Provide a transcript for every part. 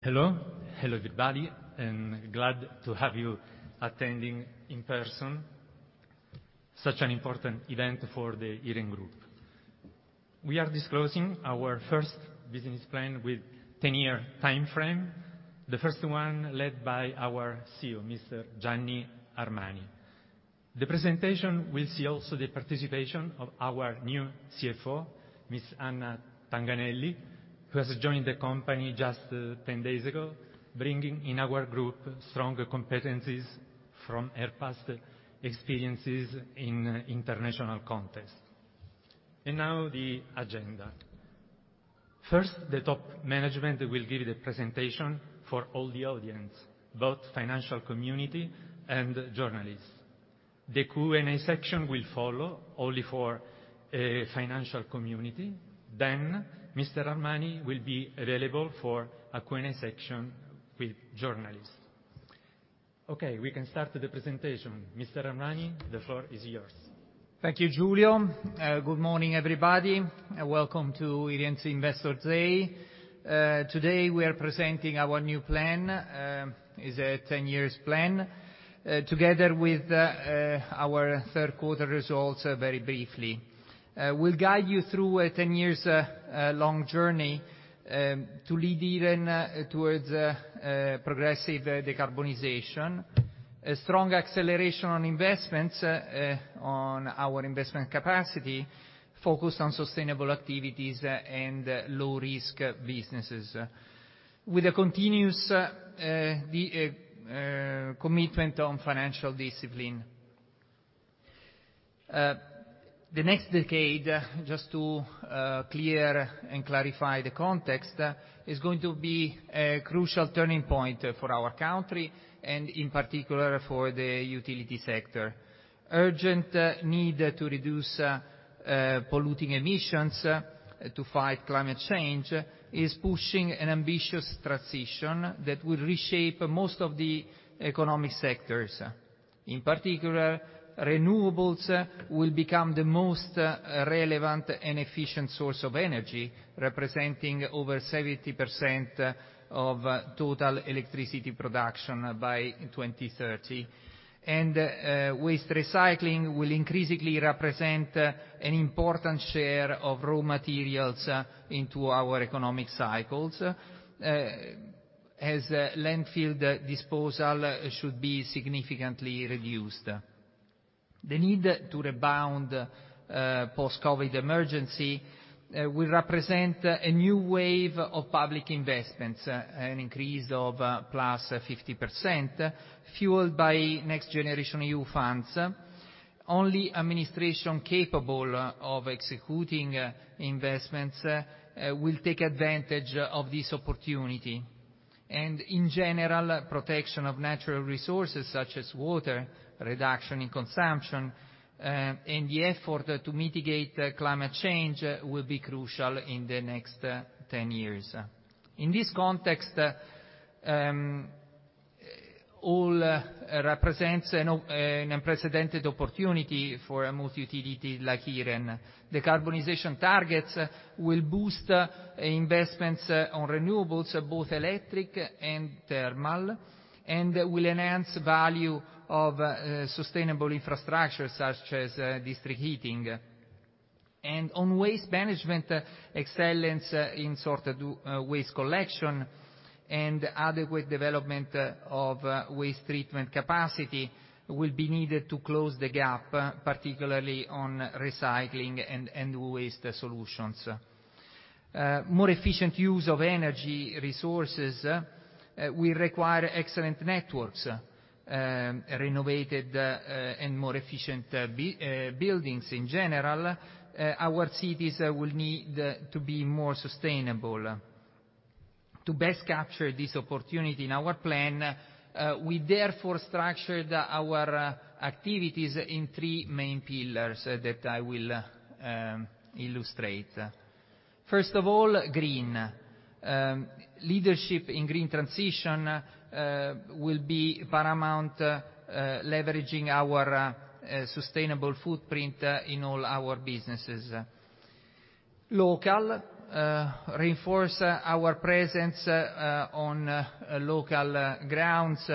Hello. Hello, everybody, and glad to have you attending in person such an important event for the Iren Group. We are disclosing our first business plan with 10-year timeframe, the first one led by our CEO, Mr. Gianni Armani. The presentation will see also the participation of our new CFO, Ms. Anna Tanganelli, who has joined the company just 10 days ago, bringing in our group stronger competencies from her past experiences in international context. Now the agenda. First, the top management will give the presentation for all the audience, both financial community and journalists. The Q&A section will follow, only for financial community. Then Mr. Armani will be available for a Q&A section with journalists. Okay, we can start the presentation. Mr. Armani, the floor is yours. Thank you, Giulio. Good morning, everybody, and welcome to Iren's Investor Day. Today, we are presenting our new plan, is a ten years plan, together with our third quarter results very briefly. We'll guide you through a ten years long journey to lead Iren towards progressive decarbonization, a strong acceleration on investments on our investment capacity, focused on sustainable activities and low-risk businesses, with a continuous commitment on financial discipline. The next decade, just to clear and clarify the context, is going to be a crucial turning point for our country and in particular for the utility sector. Urgent need to reduce polluting emissions to fight climate change is pushing an ambitious transition that will reshape most of the economic sectors. In particular, renewables will become the most relevant and efficient source of energy, representing over 70% of total electricity production by 2030. Waste recycling will increasingly represent an important share of raw materials into our economic cycles, as landfill disposal should be significantly reduced. The need to rebound post-COVID emergency will represent a new wave of public investments, an increase of +50%, fueled by NextGenerationEU funds. Only administration capable of executing investments will take advantage of this opportunity. In general, protection of natural resources such as water, reduction in consumption, and the effort to mitigate climate change will be crucial in the next 10 years. In this context, Iren represents an unprecedented opportunity for a multi-utility like Iren. Decarbonization targets will boost investments on renewables, both electric and thermal, and will enhance value of sustainable infrastructure such as district heating. On waste management, excellence in sort of waste collection and adequate development of waste treatment capacity will be needed to close the gap, particularly on recycling and waste solutions. More efficient use of energy resources will require excellent networks, renovated, and more efficient buildings in general. Our cities will need to be more sustainable. To best capture this opportunity in our plan, we therefore structured our activities in three main pillars that I will illustrate. First of all, green. Leadership in green transition will be paramount, leveraging our sustainable footprint in all our businesses. Local, reinforce our presence on local grounds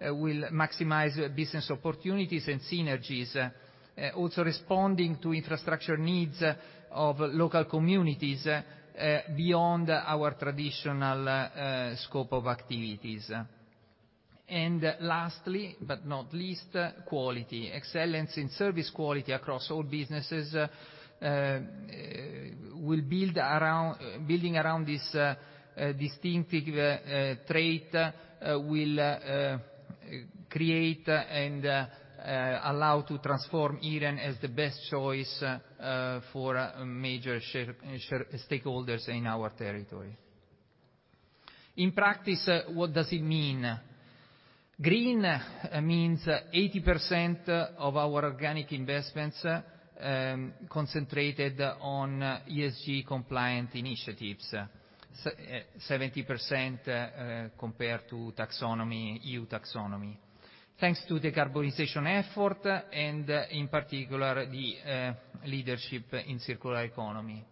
will maximize business opportunities and synergies, also responding to infrastructure needs of local communities beyond our traditional scope of activities. Lastly, but not least, quality. Excellence in service quality across all businesses, Building around this distinctive trait will create and allow to transform Iren as the best choice for major stakeholders in our territory. In practice, what does it mean? Green means 80% of our organic investments concentrated on ESG compliant initiatives, 70% compared to taxonomy, EU Taxonomy. Thanks to the decarbonization effort and in particular, the leadership in circular economy.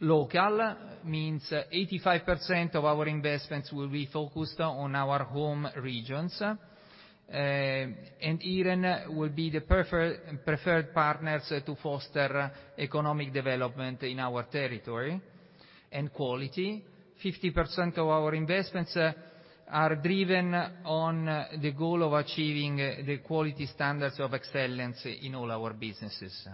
Local means 85% of our investments will be focused on our home regions, and Iren will be the preferred partners to foster economic development in our territory. Quality, 50% of our investments are driven on the goal of achieving the quality standards of excellence in all our businesses.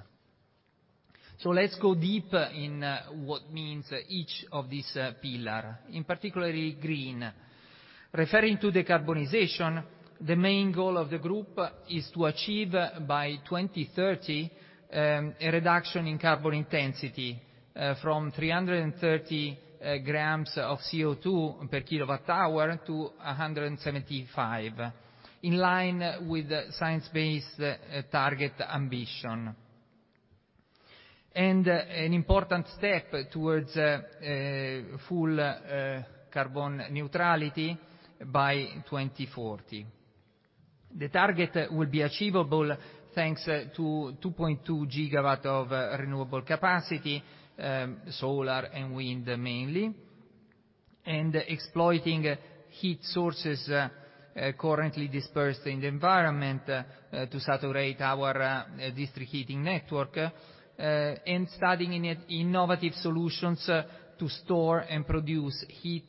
Let's go deep in what means each of these pillar, in particularly green. Referring to the decarbonization, the main goal of the group is to achieve by 2030 a reduction in carbon intensity from 330 g of CO2 per KWh to 175, in line with the science-based target ambition. An important step towards full carbon neutrality by 2040. The target will be achievable thanks to 2.2 GW of renewable capacity, solar and wind mainly, and exploiting heat sources currently dispersed in the environment to saturate our district heating network and studying innovative solutions to store and produce heat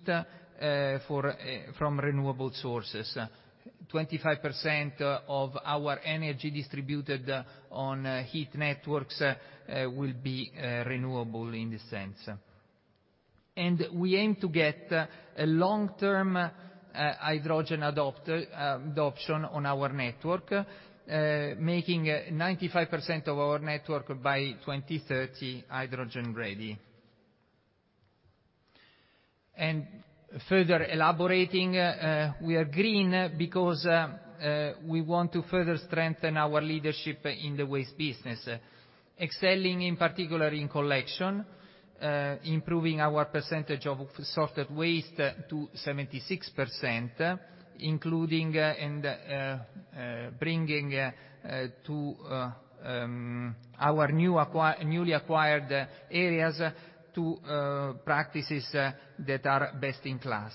from renewable sources. 25% of our energy distributed on heat networks will be renewable in this sense. We aim to get a long-term hydrogen adoption on our network, making 95% of our network by 2030 hydrogen-ready. Further elaborating, we are green because we want to further strengthen our leadership in the waste business, excelling in particular in collection, improving our percentage of sorted waste to 76%, including and bringing our newly acquired areas to practices that are best in class.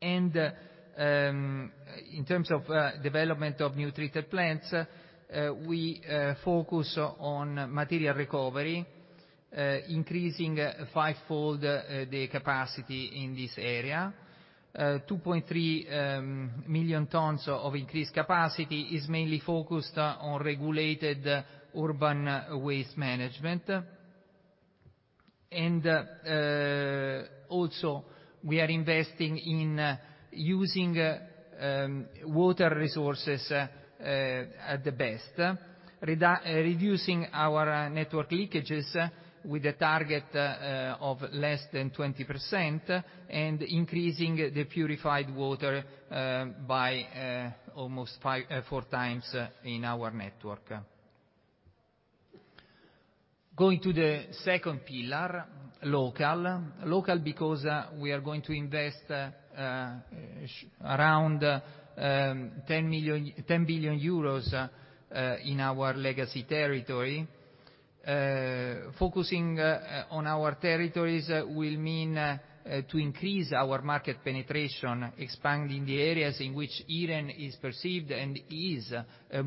In terms of development of new treatment plants, we focus on material recovery, increasing fivefold the capacity in this area. 2.3 million tons of increased capacity is mainly focused on regulated urban waste management. Also, we are investing in using water resources at the best, reducing our network leakages with a target of less than 20% and increasing the purified water by almost four times in our network. Going to the second pillar, local. Local because we are going to invest around 10 billion euros in our legacy territory. Focusing on our territories will mean to increase our market penetration, expanding the areas in which Iren is perceived and is a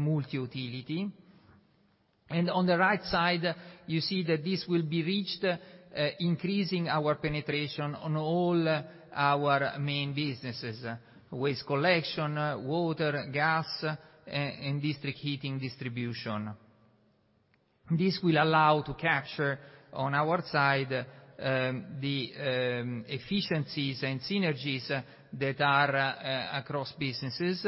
multi-utility. On the right side, you see that this will be reached increasing our penetration on all our main businesses: waste collection, water, gas, and district heating distribution. This will allow us to capture on our side the efficiencies and synergies that are across businesses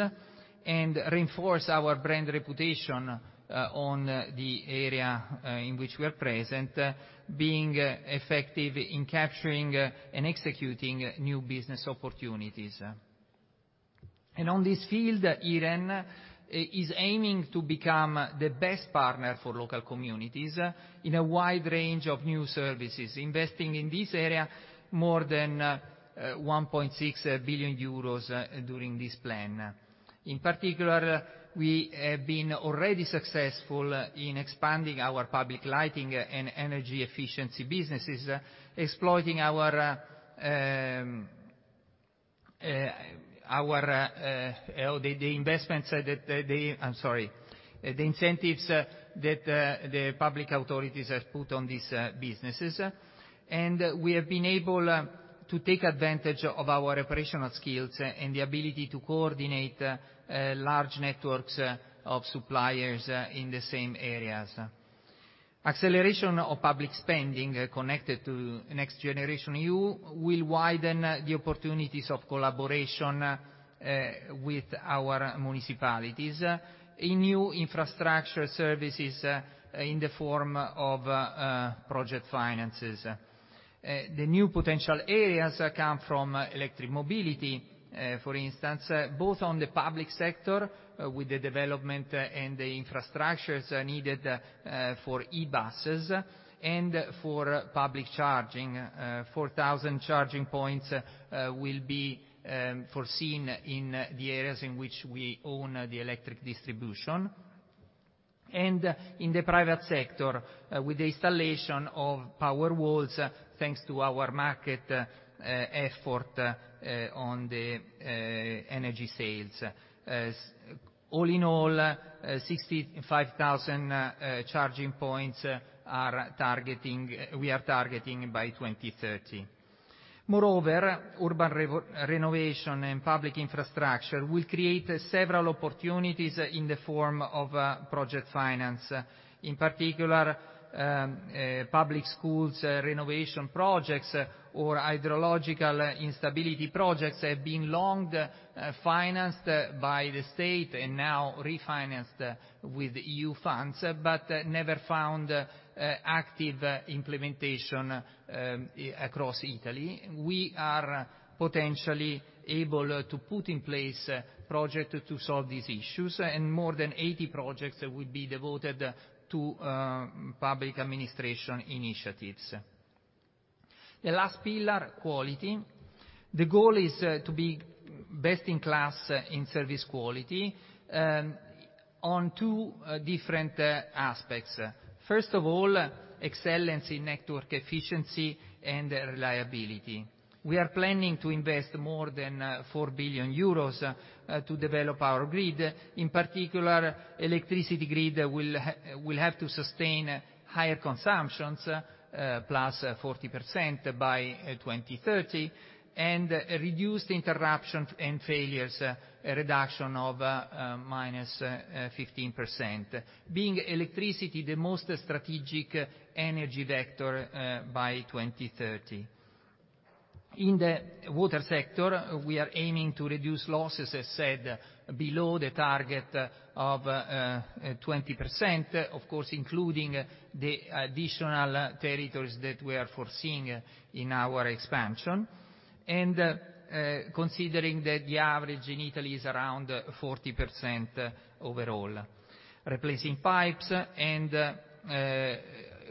and reinforce our brand reputation on the area in which we are present, being effective in capturing and executing new business opportunities. On this field, Iren is aiming to become the best partner for local communities in a wide range of new services, investing in this area more than 1.6 billion euros during this plan. In particular, we have been already successful in expanding our public lighting and energy efficiency businesses, exploiting our the incentives that the public authorities have put on these businesses. I'm sorry. We have been able to take advantage of our operational skills and the ability to coordinate large networks of suppliers in the same areas. Acceleration of public spending connected to next generation will widen the opportunities of collaboration with our municipalities in new infrastructure services in the form of project finance. The new potential areas come from electric mobility, for instance, both on the public sector with the development and the infrastructures needed for e-buses and for public charging. 4,000 charging points will be foreseen in the areas in which we own the electric distribution. In the private sector, with the installation of wallboxes, thanks to our market effort on energy sales. All in all, 65,000 charging points we are targeting by 2030. Moreover, urban renovation and public infrastructure will create several opportunities in the form of project finance. In particular, public schools renovation projects or hydrological instability projects have been long financed by the state and now refinanced with EU funds, but never found active implementation across Italy. We are potentially able to put in place project to solve these issues, and more than 80 projects will be devoted to public administration initiatives. The last pillar, quality. The goal is to be best in class in service quality on two different aspects. First of all, excellence in network efficiency and reliability. We are planning to invest more than 4 billion euros to develop our grid. In particular, electricity grid will have to sustain higher consumptions +40% by 2030, and reduced interruptions and failures, a reduction of -15%, being electricity the most strategic energy vector by 2030. In the water sector, we are aiming to reduce losses, as said, below the target of 20%, of course, including the additional territories that we are foreseeing in our expansion, and considering that the average in Italy is around 40% overall. Replacing pipes and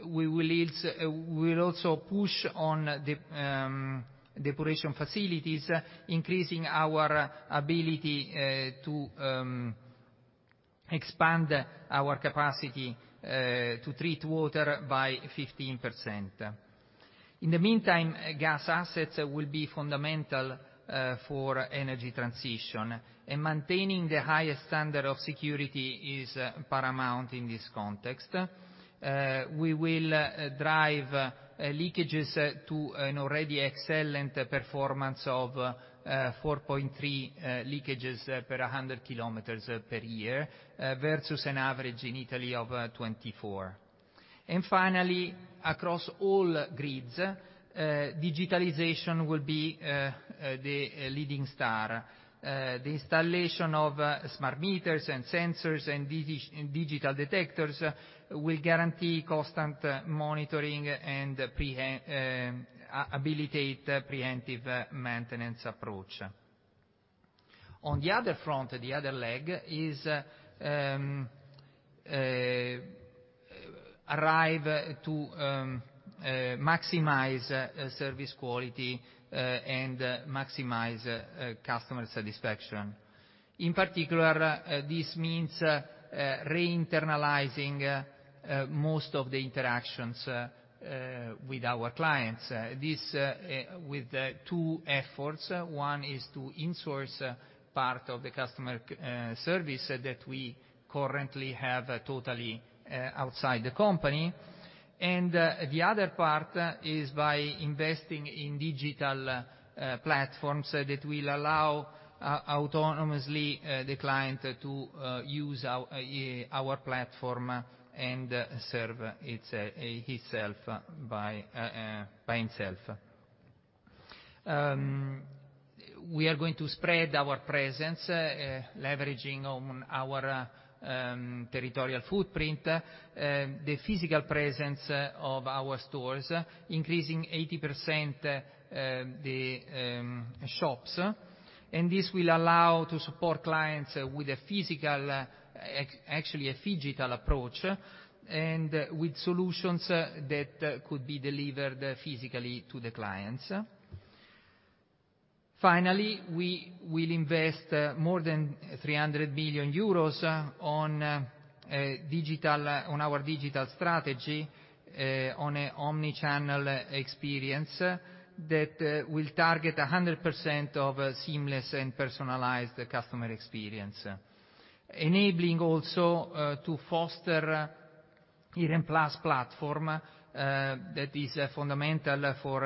we'll also push on depuration facilities, increasing our ability to expand our capacity to treat water by 15%. In the meantime, gas assets will be fundamental for energy transition, and maintaining the highest standard of security is paramount in this context. We will reduce leakages to an already excellent performance of 4.3 leakages per 100 km per year, versus an average in Italy of 24. Finally, across all grids, digitalization will be the leading star. The installation of smart meters and sensors and digital detectors will guarantee constant monitoring and a preemptive maintenance approach. On the other front, the other leg is to maximize service quality and maximize customer satisfaction. In particular, this means re-internalizing most of the interactions with our clients. This with two efforts. One is to insource part of the customer service that we currently have totally outside the company. The other part is by investing in digital platforms that will allow autonomously the client to use our platform and serve himself by himself. We are going to spread our presence leveraging on our territorial footprint, the physical presence of our stores, increasing 80% the shops. This will allow to support clients with a phygital approach and with solutions that could be delivered physically to the clients. Finally, we will invest more than 300 billion euros on digital, on our digital strategy, on an omni-channel experience that will target 100% of seamless and personalized customer experience. Enabling also to foster Iren Plus platform, that is fundamental for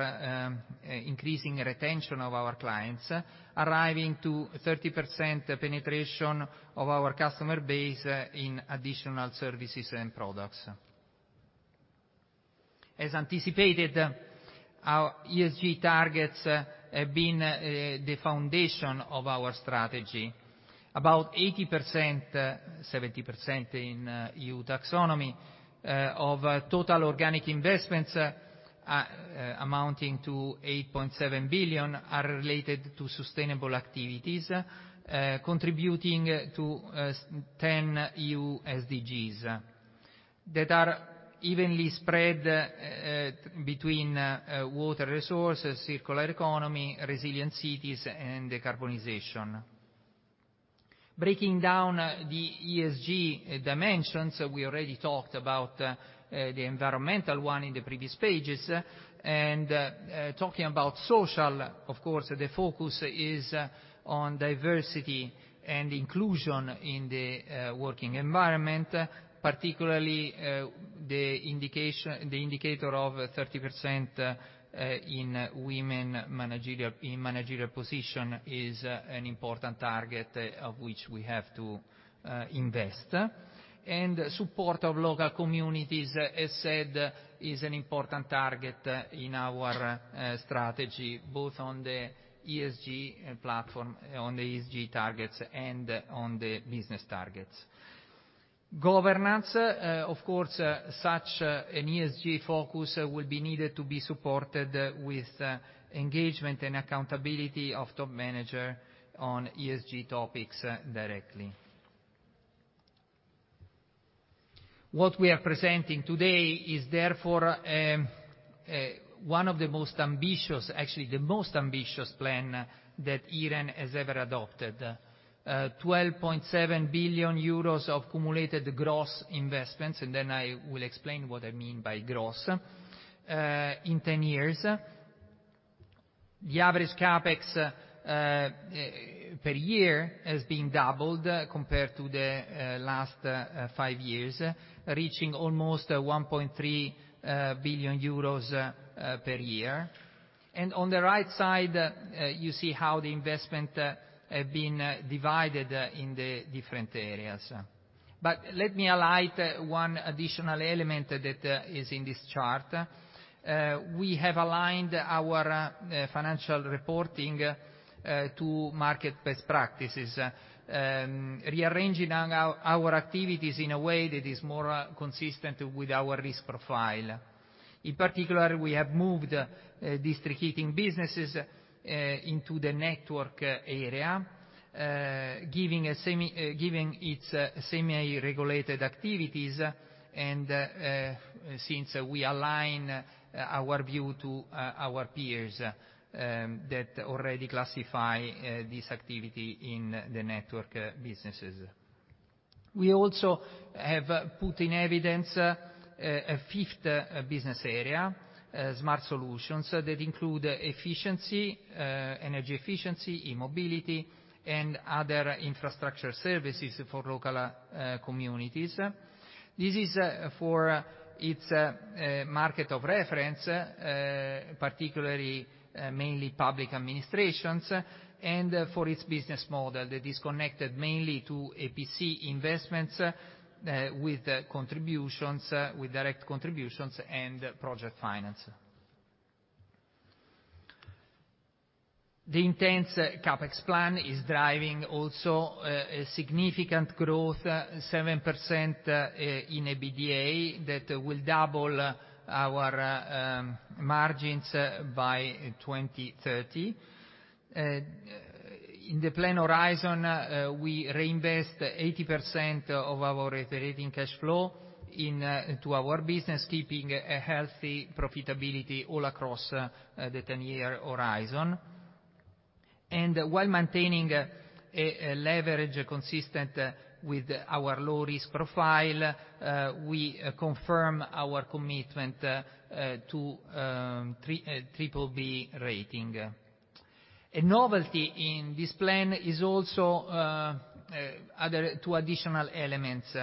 increasing retention of our clients, arriving to 30% penetration of our customer base in additional services and products. As anticipated, our ESG targets have been the foundation of our strategy. About 70% in EU Taxonomy of total organic investments amounting to 8.7 billion are related to sustainable activities contributing to 10 EU SDGs. That are evenly spread between water resources, circular economy, resilient cities, and decarbonization. Breaking down the ESG dimensions, we already talked about the environmental one in the previous pages. Talking about social, of course, the focus is on diversity and inclusion in the working environment. Particularly, the indicator of 30% women in managerial positions is an important target of which we have to invest. Support of local communities, as said, is an important target in our strategy, both on the ESG platform, on the ESG targets, and on the business targets. Governance, of course, such an ESG focus will be needed to be supported with engagement and accountability of top management on ESG topics directly. What we are presenting today is therefore one of the most ambitious, actually the most ambitious plan that Iren has ever adopted. 12.7 billion euros of accumulated gross investments, and then I will explain what I mean by gross, in 10 years. The average CapEx per year has been doubled compared to the last five years, reaching almost 1.3 billion euros per year. On the right side, you see how the investments have been divided in the different areas. Let me highlight one additional element that is in this chart. We have aligned our financial reporting to market best practices, rearranging our activities in a way that is more consistent with our risk profile. In particular, we have moved district heating businesses into the network area, giving its semi-regulated activities and since we align our view to our peers that already classify this activity in the network businesses. We also have put in evidence a fifth business area, Smart Solutions that include efficiency, energy efficiency, e-mobility, and other infrastructure services for local communities. This is for its market of reference, particularly mainly public administrations, and for its business model that is connected mainly to EPC investments, with contributions, with direct contributions and project finance. The intense CapEx plan is driving also a significant growth, 7%, in EBITDA that will double our margins by 2030. In the plan horizon, we reinvest 80% of our operating cash flow into our business, keeping a healthy profitability all across the ten-year horizon. While maintaining a leverage consistent with our low risk profile, we confirm our commitment to BBB rating. A novelty in this plan is also other two additional elements.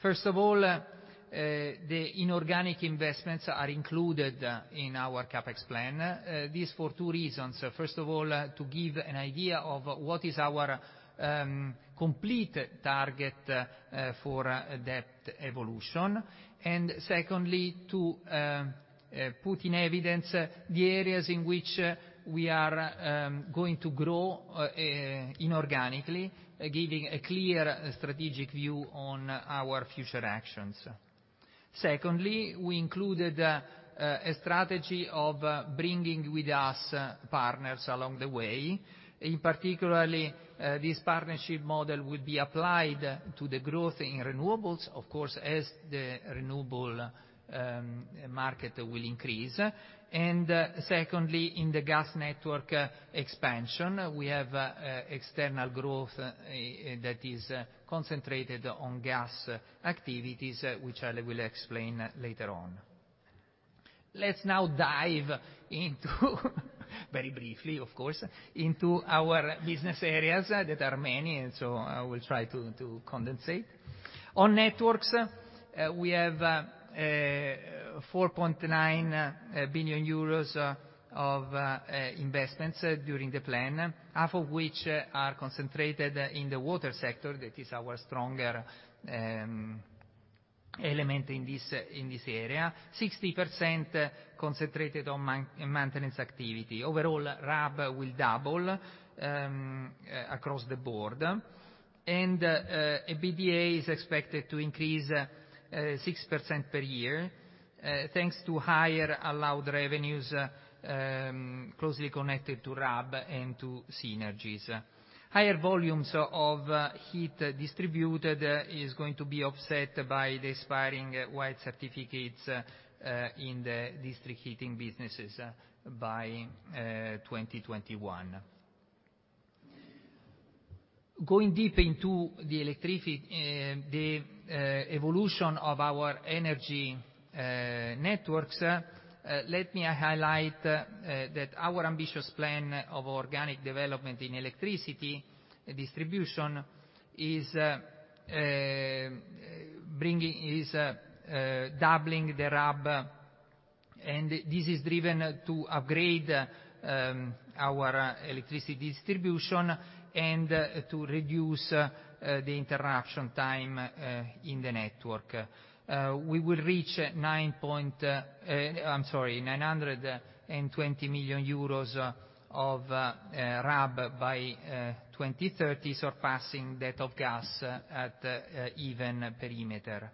First of all, the inorganic investments are included in our CapEx plan. This is for two reasons. First of all, to give an idea of what is our complete target for debt evolution. Secondly, to put in evidence the areas in which we are going to grow inorganically, giving a clear strategic view on our future actions. Secondly, we included a strategy of bringing with us partners along the way. In particular, this partnership model will be applied to the growth in renewables, of course, as the renewable market will increase. Secondly, in the gas network expansion, we have external growth that is concentrated on gas activities, which I will explain later on. Let's now dive in very briefly, of course, into our business areas that are many, and I will try to condense. On networks, we have 4.9 billion euros of investments during the plan, half of which are concentrated in the water sector. That is our strongest element in this area. 60% concentrated on maintenance activity. Overall, RAB will double across the board. EBITDA is expected to increase 6% per year. Thanks to higher allowed revenues closely connected to RAB and to synergies. Higher volumes of heat distributed is going to be offset by the expiring white certificates in the district heating businesses by 2021. Going deep into the evolution of our energy networks, let me highlight that our ambitious plan of organic development in electricity distribution is doubling the RAB, and this is driven to upgrade our electricity distribution and to reduce the interruption time in the network. We will reach 920 million euros of RAB by 2030, surpassing that of gas at even perimeter.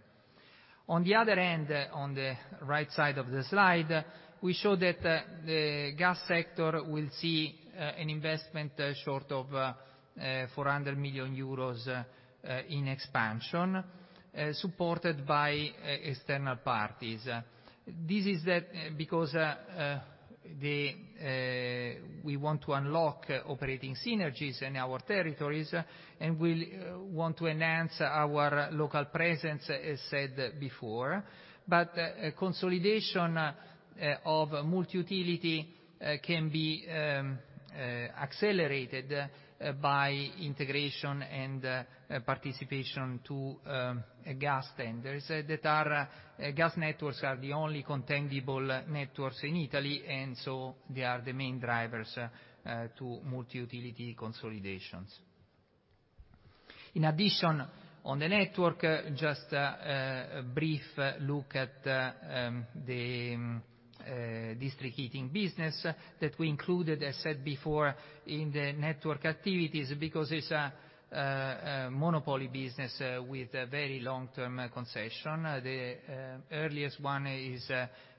On the other end, on the right side of the slide, we show that the gas sector will see an investment of 400 million euros in expansion supported by external parties. This is because we want to unlock operating synergies in our territories, and we want to enhance our local presence, as said before. Consolidation of multi-utility can be accelerated by integration and participation to gas tenders. Gas networks are the only tangible networks in Italy, and so they are the main drivers to multi-utility consolidations. In addition on the network, just a brief look at the district heating business that we included, as said before, in the network activities, because it's a monopoly business with a very long-term concession. The earliest one is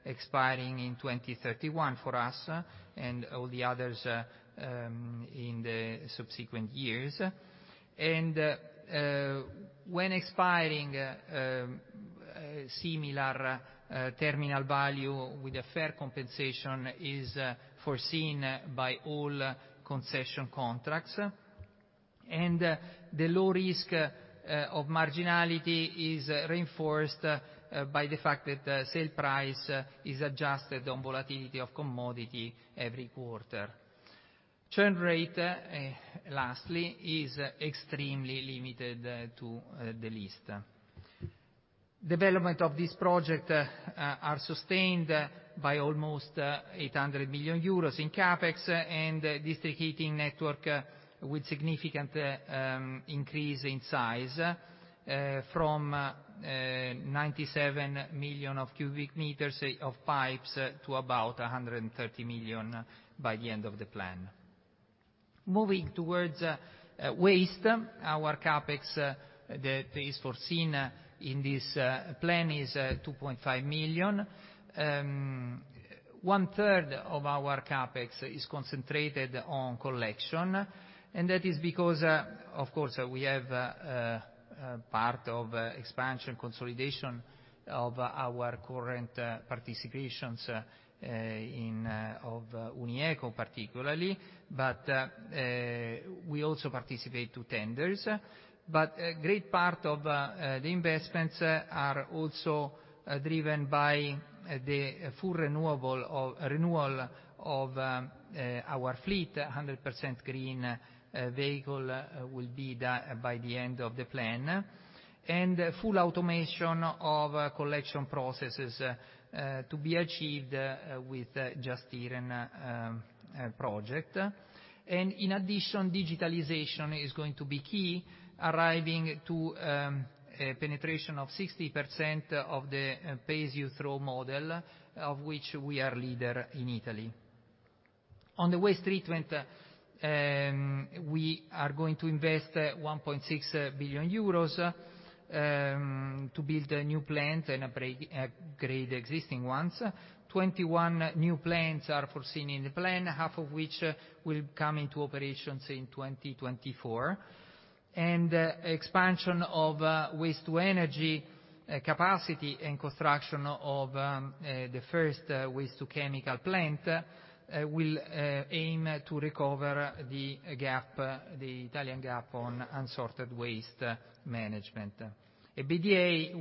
expiring in 2031 for us, and all the others in the subsequent years. When expiring, similar terminal value with a fair compensation is foreseen by all concession contracts. The low risk of marginality is reinforced by the fact that sale price is adjusted on volatility of commodity every quarter. Churn rate, lastly, is extremely limited to the least. Development of this project are sustained by almost 800 million euros in CapEx and district heating network with significant increase in size from 97 million cubic meters of pipes to about 130 million by the end of the plan. Moving towards waste, our CapEx that is foreseen in this plan is 2.5 million. One-third of our CapEx is concentrated on collection, and that is because, of course, we have a part of expansion consolidation of our current participations in of Unieco particularly, but we also participate to tenders. But a great part of the investments are also driven by the renewal of our fleet. 100% green vehicle will be done by the end of the plan. Full automation of collection processes to be achieved with just here and project. In addition, digitalization is going to be key, arriving to a penetration of 60% of the pay-as-you-throw model, of which we are leader in Italy. On the waste treatment, we are going to invest 1.6 billion euros to build new plants and upgrade existing ones. 21 new plants are foreseen in the plan, half of which will come into operations in 2024. Expansion of waste-to-energy capacity and construction of the first waste-to-chemical plant will aim to recover the gap, the Italian gap on unsorted waste management. EBITDA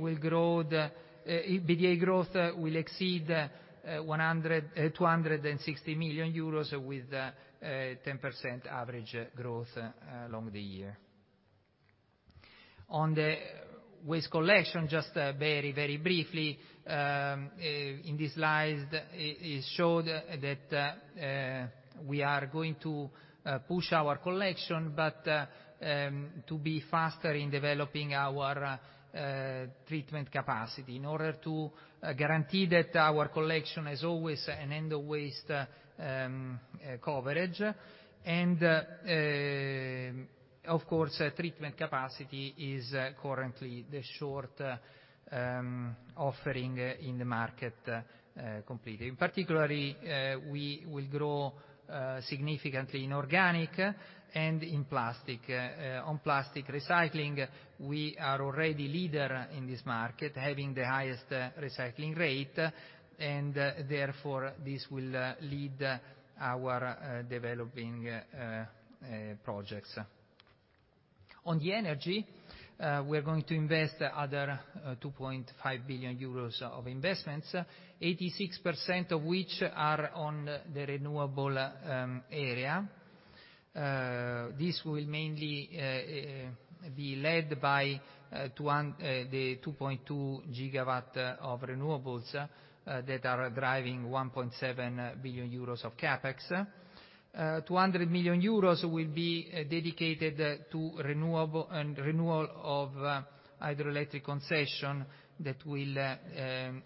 growth will exceed 260 million euros, with 10% average growth along the year. On the waste collection, just very briefly, in these slides, it showed that we are going to push our collection, but to be faster in developing our treatment capacity in order to guarantee that our collection has always an end of waste coverage. Of course, treatment capacity is currently the shortage in the market completely. In particular, we will grow significantly in organic and in plastic. On plastic recycling, we are already leader in this market, having the highest recycling rate, and therefore, this will lead our developing projects. On the energy, we are going to invest other 2.5 billion euros of investments, 86% of which are on the renewable area. This will mainly be led by the 2.2 GW of renewables that are driving 1.7 billion euros of CapEx. 200 million euros will be dedicated to renewable and renewal of hydroelectric concession that will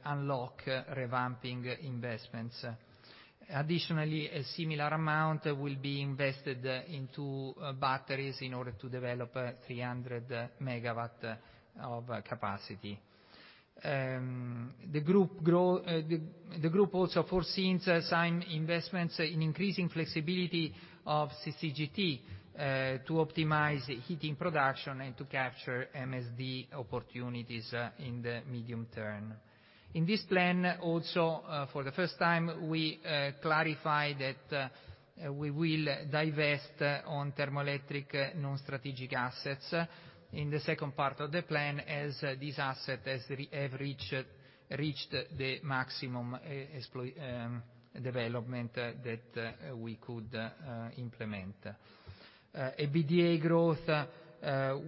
unlock revamping investments. Additionally, a similar amount will be invested into batteries in order to develop 300 MW of capacity. The group also foresees some investments in increasing flexibility of CCGT to optimize heating production and to capture MSD opportunities in the medium term. In this plan also, for the first time, we clarify that we will divest on thermoelectric non-strategic assets in the second part of the plan as this asset has reached the maximum development that we could implement. EBITDA growth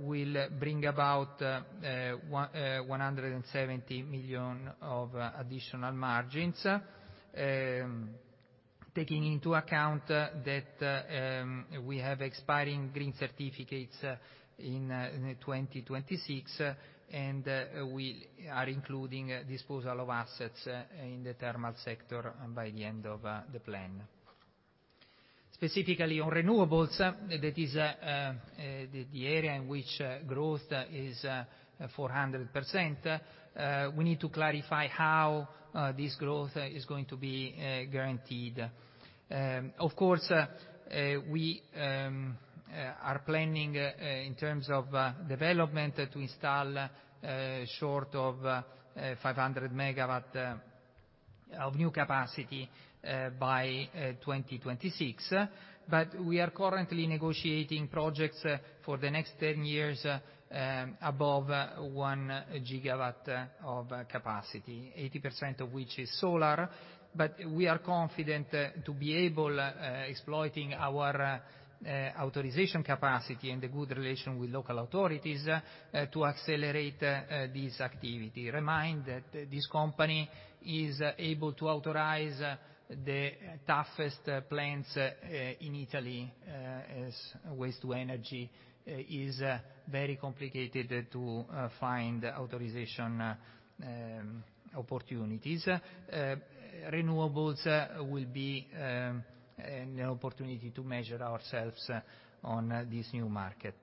will bring about 170 million of additional margins, taking into account that we have expiring green certificates in 2026, and we are including disposal of assets in the thermal sector by the end of the plan. Specifically on renewables, that is the area in which growth is 400%, we need to clarify how this growth is going to be guaranteed. Of course, we are planning in terms of development to install short of 500 MW of new capacity by 2026. But we are currently negotiating projects for the next ten years above 1 GW of capacity, 80% of which is solar. We are confident to be able exploiting our authorization capacity and the good relation with local authorities to accelerate this activity. Remember that this company is able to authorize the toughest plants in Italy as waste-to-energy is very complicated to find authorization opportunities. Renewables will be an opportunity to measure ourselves on this new market.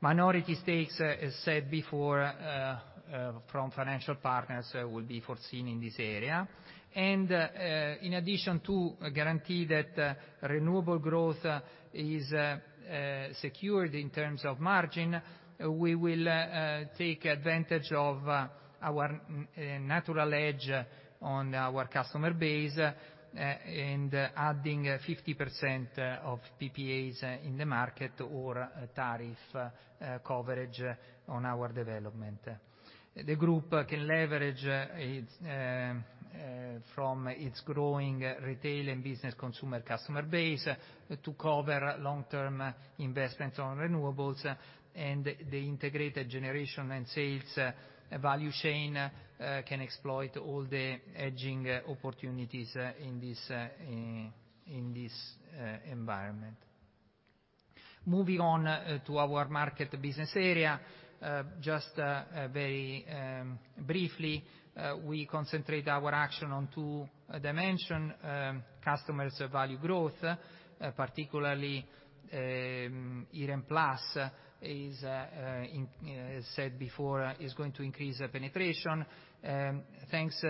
Minority stakes, as said before, from financial partners will be foreseen in this area. In addition to guarantee that renewable growth is secured in terms of margin, we will take advantage of our natural edge on our customer base and adding 50% of PPAs in the market or tariff coverage on our development. The group can leverage from its growing retail and business consumer customer base to cover long-term investments on renewables, and the integrated generation and sales value chain can exploit all the hedging opportunities in this environment. Moving on to our market business area, just very briefly, we concentrate our action on two dimensions, customer value growth, particularly, Iren Plus, as said before, is going to increase penetration, thanks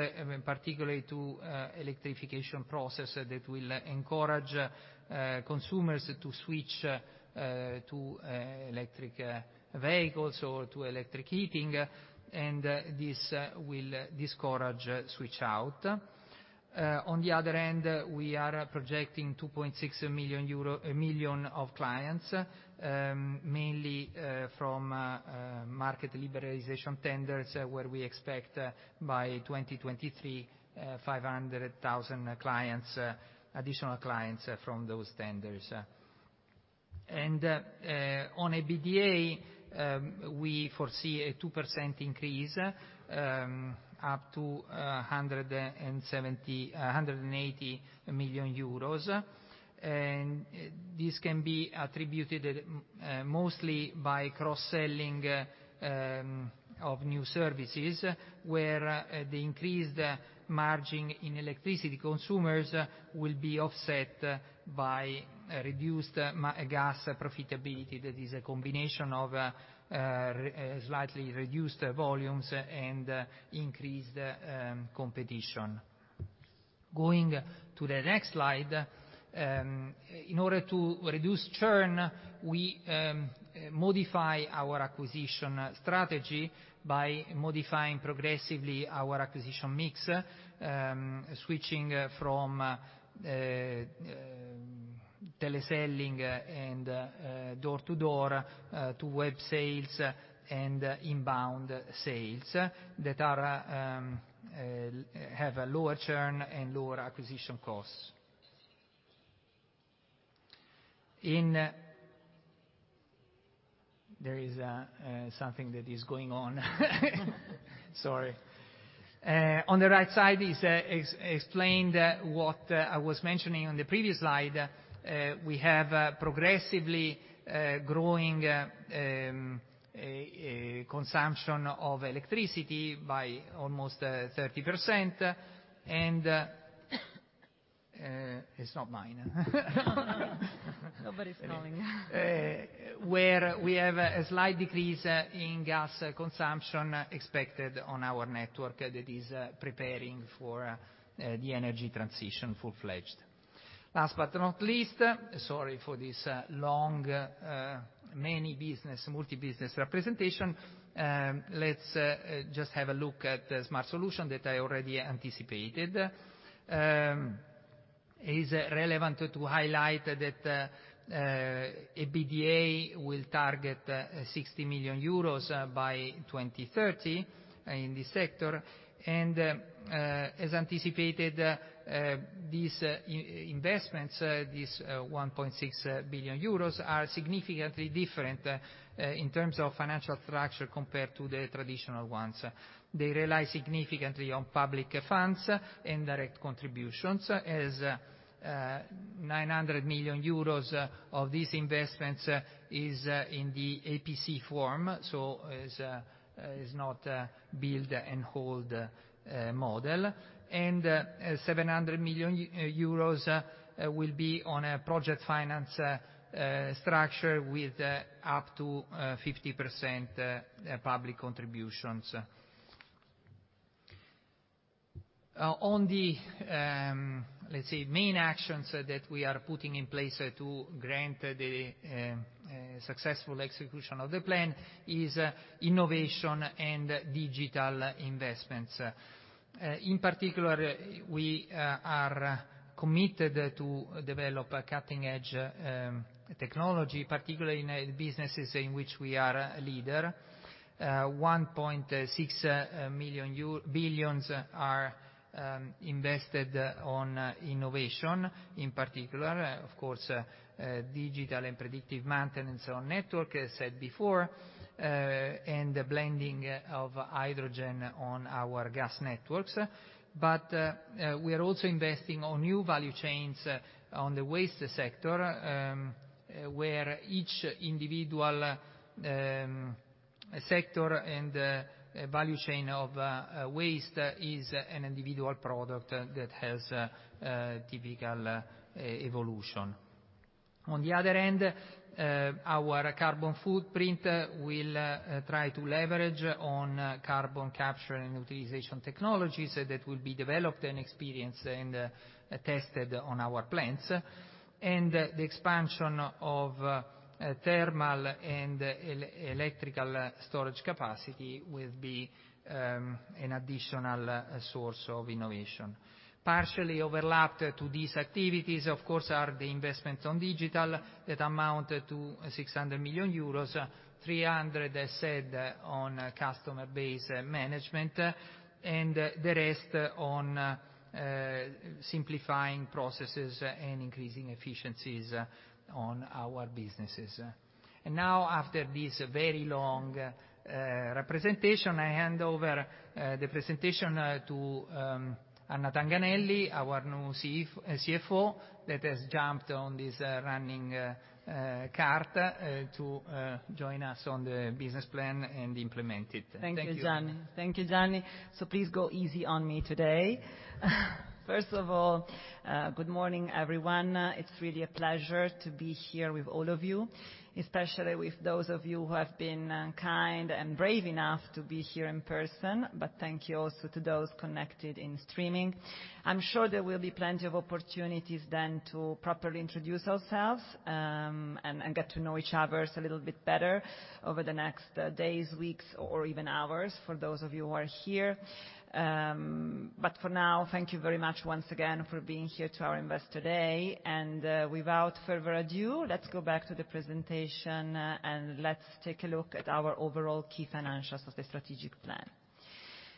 particularly to electrification process that will encourage consumers to switch to electric vehicles or to electric heating, and this will discourage switch out. On the other end, we are projecting 2.6 million clients, mainly from market liberalization tenders, where we expect by 2023, 500,000 additional clients from those tenders. On an EBITDA, we foresee a 2% increase up to 180 million euros. This can be attributed mostly by cross-selling of new services, where the increased margin in electricity consumers will be offset by a reduced gas profitability. That is a combination of slightly reduced volumes and increased competition. Going to the next slide, in order to reduce churn, we modify our acquisition strategy by modifying progressively our acquisition mix, switching from teleselling and door-to-door to web sales and inbound sales that have a lower churn and lower acquisition costs. There is something that is going on. Sorry. On the right side is explained what I was mentioning on the previous slide. We have a progressively growing consumption of electricity by almost 30%. It's not mine. Nobody's coughing. where we have a slight decrease in gas consumption expected on our network that is preparing for the energy transition full-fledged. Last but not least, sorry for this long multi-business representation. Let's just have a look at the Smart Solutions that I already anticipated. It's relevant to highlight that EBITDA will target 60 million euros by 2030 in this sector. As anticipated, these investments, these 1.6 billion euros, are significantly different in terms of financial structure compared to the traditional ones. They rely significantly on public funds and direct contributions, as 900 million euros of these investments is in the EPC form, so is not build-and-hold model. 700 million euros will be on a project finance structure with up to 50% public contributions. The main actions that we are putting in place to grant the successful execution of the plan are innovation and digital investments. In particular, we are committed to develop a cutting-edge technology, particularly in businesses in which we are a leader. 1.6 billion are invested on innovation, in particular. Of course, digital and predictive maintenance on network, as said before, and the blending of hydrogen on our gas networks. We are also investing on new value chains on the waste sector, where each individual sector and value chain of waste is an individual product that has a typical evolution. On the other end, our carbon footprint will try to leverage on carbon capture and utilization technologies that will be developed and experienced and tested on our plants. The expansion of thermal and electrical storage capacity will be an additional source of innovation. Partially overlapped to these activities, of course, are the investments on digital that amount to 600 million euros, 300 as said on customer base management, and the rest on simplifying processes and increasing efficiencies on our businesses. Now, after this very long representation, I hand over the presentation to Anna Tanganelli, our new CFO, that has jumped on this running cart to join us on the business plan and implement it. Thank you. Thank you, Gianni. Please go easy on me today. First of all, good morning, everyone. It's really a pleasure to be here with all of you, especially with those of you who have been kind and brave enough to be here in person. Thank you also to those connected in streaming. I'm sure there will be plenty of opportunities then to properly introduce ourselves, and get to know each other a little bit better over the next days, weeks, or even hours for those of you who are here. For now, thank you very much once again for being here to our Investor Day. Without further ado, let's go back to the presentation, and let's take a look at our overall key financials of the strategic plan.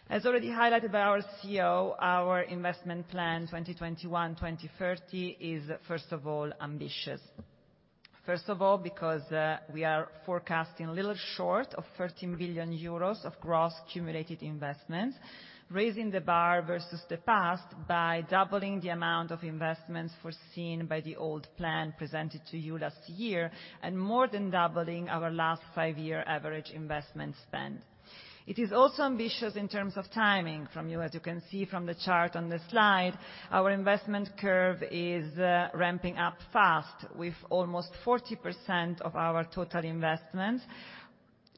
As already highlighted by our CEO, our investment plan 2021-2030 is first of all ambitious. First of all, because, we are forecasting a little short of 13 billion euros of gross cumulative investments, raising the bar versus the past by doubling the amount of investments foreseen by the old plan presented to you last year and more than doubling our last five-year average investment spend. It is also ambitious in terms of timing. As you can see from the chart on the slide, our investment curve is ramping up fast with almost 40% of our total investment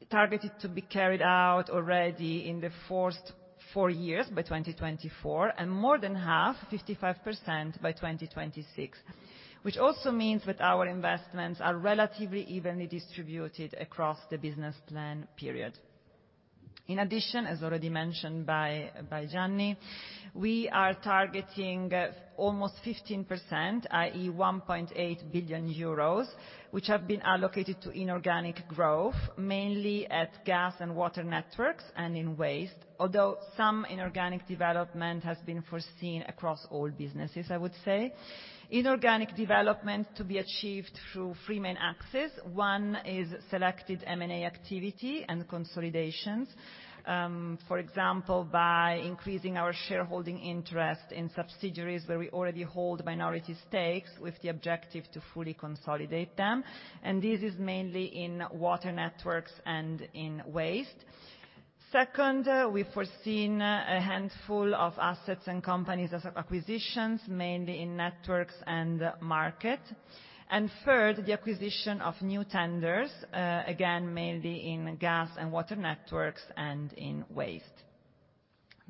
targeted to be carried out already in the first four years by 2024, and more than half, 55% by 2026, which also means that our investments are relatively evenly distributed across the business plan period. In addition, as already mentioned by Gianni, we are targeting almost 15%, i.e. 1.8 billion euros, which have been allocated to inorganic growth, mainly at gas and water networks and in waste, although some inorganic development has been foreseen across all businesses, I would say. Inorganic development to be achieved through three main axes. One is selected M&A activity and consolidations, for example, by increasing our shareholding interest in subsidiaries where we already hold minority stakes with the objective to fully consolidate them, and this is mainly in water networks and in waste. Second, we've foreseen a handful of assets and companies as acquisitions, mainly in networks and market. Third, the acquisition of new tenders, again, mainly in gas and water networks and in waste.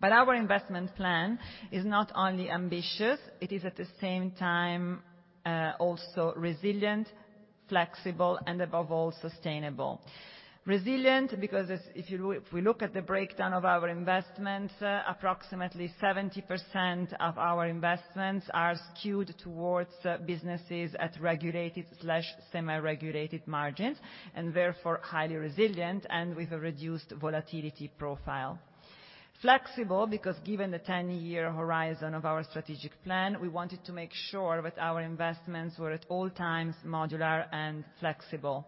Our investment plan is not only ambitious, it is at the same time also resilient, flexible and above all, sustainable. Resilient because if we look at the breakdown of our investment, approximately 70% of our investments are skewed towards businesses at regulated/semi-regulated margins, and therefore highly resilient and with a reduced volatility profile. Flexible because given the ten-year horizon of our strategic plan, we wanted to make sure that our investments were at all times modular and flexible.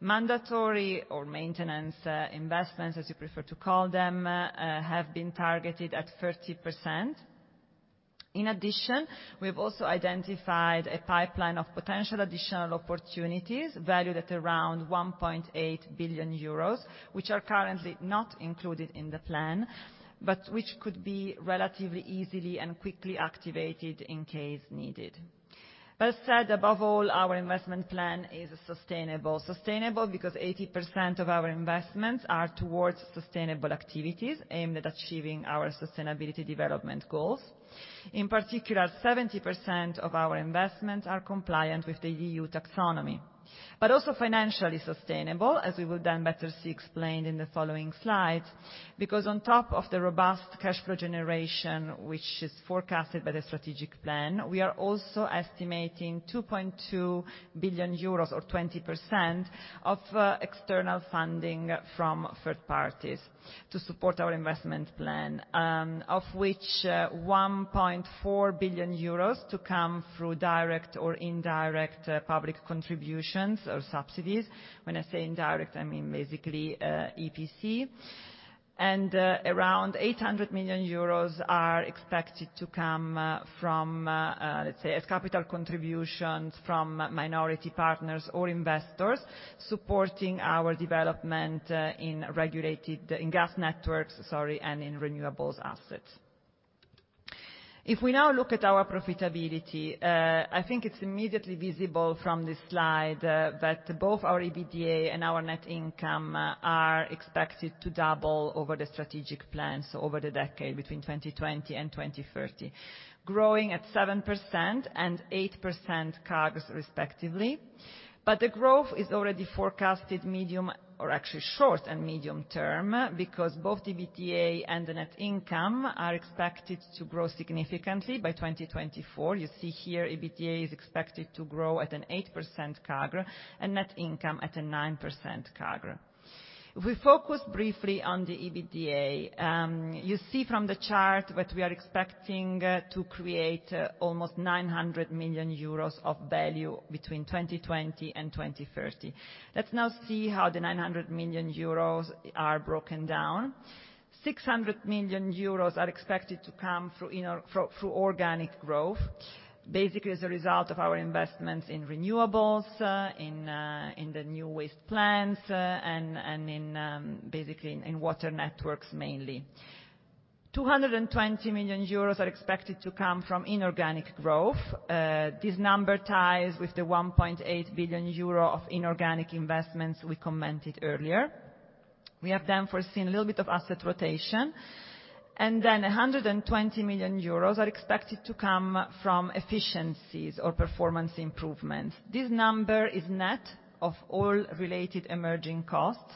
Mandatory or maintenance investments, as you prefer to call them, have been targeted at 30%. In addition, we have also identified a pipeline of potential additional opportunities valued at around 1.8 billion euros, which are currently not included in the plan, but which could be relatively easily and quickly activated in case needed. As said, above all, our investment plan is sustainable. Sustainable because 80% of our investments are towards sustainable activities aimed at achieving our Sustainable Development Goals. In particular, 70% of our investments are compliant with the EU Taxonomy. Also financially sustainable, as we will then better see explained in the following slides, because on top of the robust cash flow generation, which is forecasted by the strategic plan, we are also estimating 2.2 billion euros or 20% of external funding from third parties to support our investment plan, of which one point four billion euros to come through direct or indirect public contributions or subsidies. When I say indirect, I mean basically EPC. Around eight hundred million euros are expected to come from let's say as capital contributions from minority partners or investors supporting our development in gas networks, sorry, and in renewables assets. If we now look at our profitability, I think it's immediately visible from this slide that both our EBITDA and our net income are expected to double over the strategic plan, so over the decade between 2020 and 2030, growing at 7% and 8% CAGRs respectively. The growth is already forecasted medium or actually short and medium term because both the EBITDA and the net income are expected to grow significantly by 2024. You see here, EBITDA is expected to grow at an 8% CAGR and net income at a 9% CAGR. If we focus briefly on the EBITDA, you see from the chart what we are expecting to create almost 900 million euros of value between 2020 and 2030. Let's now see how the 900 million euros are broken down. 600 million euros are expected to come through organic growth, basically as a result of our investments in renewables, in the new waste plants, and in water networks mainly. 220 million euros are expected to come from inorganic growth. This number ties with the 1.8 billion euro of inorganic investments we commented earlier. We have foreseen a little bit of asset rotation, and 120 million euros are expected to come from efficiencies or performance improvements. This number is net of all related emerging costs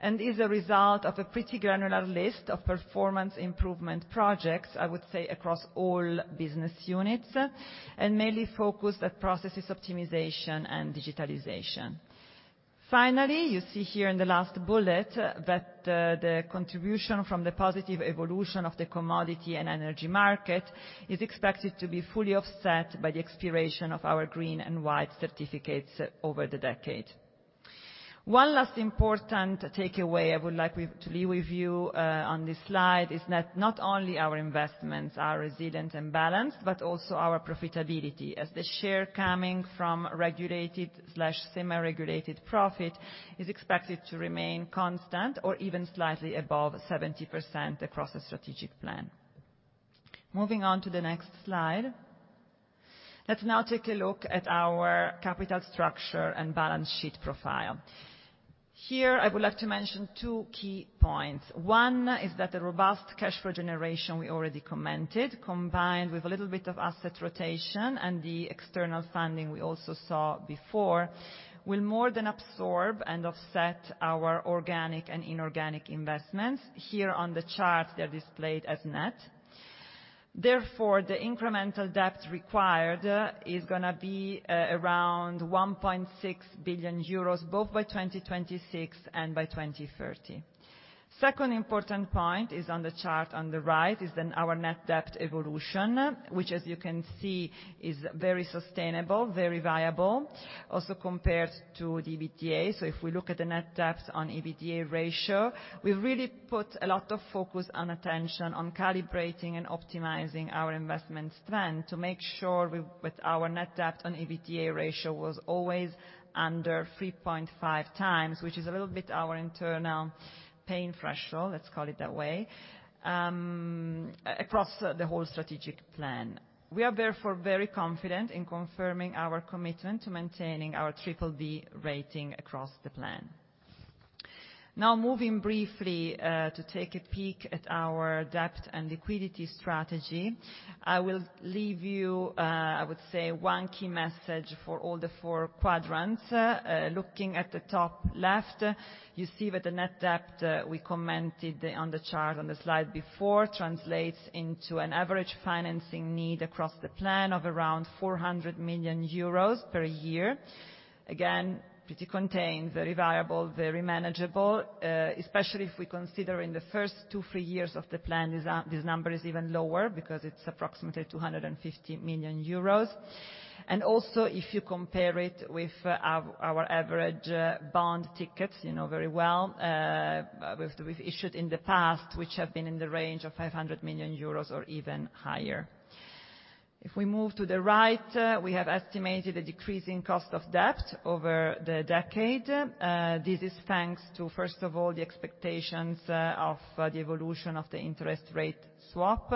and is a result of a pretty granular list of performance improvement projects, I would say, across all business units, and mainly focused at processes optimization and digitalization. Finally, you see here in the last bullet that the contribution from the positive evolution of the commodity and energy market is expected to be fully offset by the expiration of our green and white certificates over the decade. One last important takeaway I would like to leave with you on this slide is that not only our investments are resilient and balanced, but also our profitability, as the share coming from regulated slash semi-regulated profit is expected to remain constant or even slightly above 70% across the strategic plan. Moving on to the next slide. Let's now take a look at our capital structure and balance sheet profile. Here, I would like to mention two key points. One is that the robust cash flow generation we already commented, combined with a little bit of asset rotation and the external funding we also saw before, will more than absorb and offset our organic and inorganic investments. Here on the chart, they're displayed as net. Therefore, the incremental debt required is gonna be around 1.6 billion euros, both by 2026 and by 2030. Second important point is on the chart on the right, is then our net debt evolution, which as you can see, is very sustainable, very viable, also compared to the EBITDA. If we look at the net debt on EBITDA ratio, we've really put a lot of focus and attention on calibrating and optimizing our investment spend to make sure we, with our net debt on EBITDA ratio was always under 3.5x, which is a little bit our internal pain threshold, let's call it that way, across the whole strategic plan. We are therefore very confident in confirming our commitment to maintaining our BBB rating across the plan. Now moving briefly to take a peek at our debt and liquidity strategy. I will leave you, I would say, one key message for all the four quadrants. Looking at the top left, you see that the net debt we commented on the chart on the slide before translates into an average financing need across the plan of around 400 million euros per year. Again, pretty contained, very viable, very manageable, especially if we consider in the first two, three years of the plan, this number is even lower because it's approximately 250 million euros. Also, if you compare it with our average bond tickets, you know very well, we've issued in the past, which have been in the range of 500 million euros or even higher. If we move to the right, we have estimated a decrease in cost of debt over the decade. This is thanks to, first of all, the expectations of the evolution of the interest rate swap.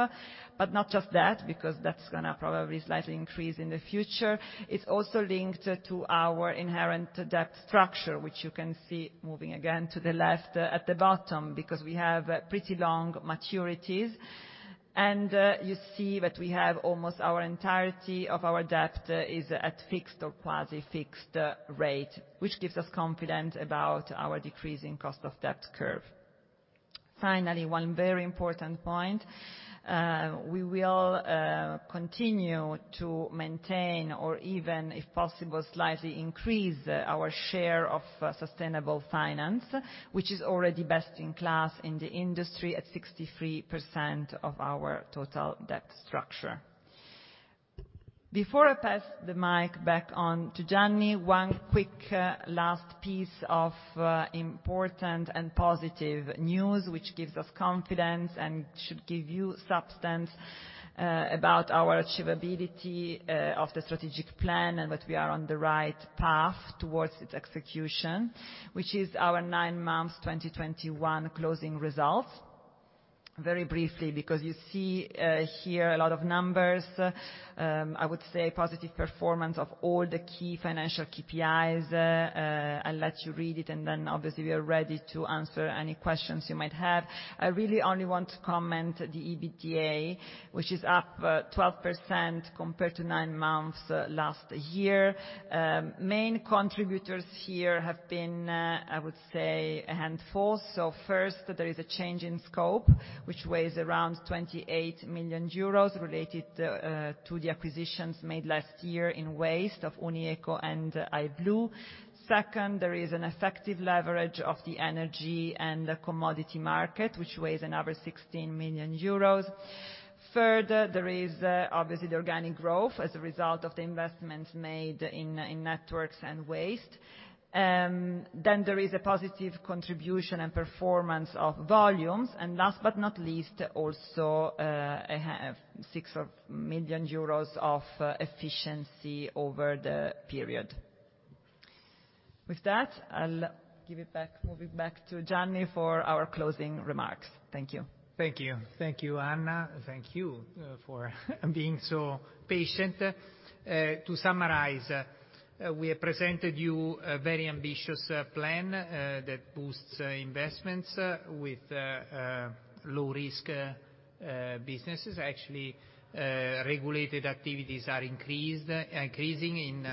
Not just that, because that's gonna probably slightly increase in the future. It's also linked to our inherent debt structure, which you can see moving again to the left at the bottom, because we have pretty long maturities. You see that we have almost our entirety of our debt is at fixed or quasi-fixed rate, which gives us confidence about our decreasing cost of debt curve. Finally, one very important point. We will continue to maintain or even, if possible, slightly increase our share of sustainable finance, which is already best in class in the industry at 63% of our total debt structure. Before I pass the mic back on to Gianni, one quick last piece of important and positive news which gives us confidence and should give you substance about our achievability of the strategic plan and that we are on the right path towards its execution, which is our nine months 2021 closing results. Very briefly, because you see here a lot of numbers, I would say positive performance of all the key financial KPIs. I'll let you read it, and then obviously we are ready to answer any questions you might have. I really only want to comment the EBITDA, which is up 12% compared to nine months last year. Main contributors here have been, I would say a handful. First, there is a change in scope, which weighs around 28 million euros related to the acquisitions made last year in waste of Unieco and I.Blu. Second, there is an effective leverage of the energy and the commodity market, which weighs another 16 million euros. Third, there is obviously the organic growth as a result of the investments made in networks and waste. Then there is a positive contribution and performance of volumes. Last but not least, also a 6 million euros of efficiency over the period. With that, I'll give it back, hand it back to Gianni for our closing remarks. Thank you. Thank you. Thank you, Anna. Thank you for being so patient. To summarize, we have presented you a very ambitious plan that boosts investments with low risk businesses. Actually, regulated activities are increasing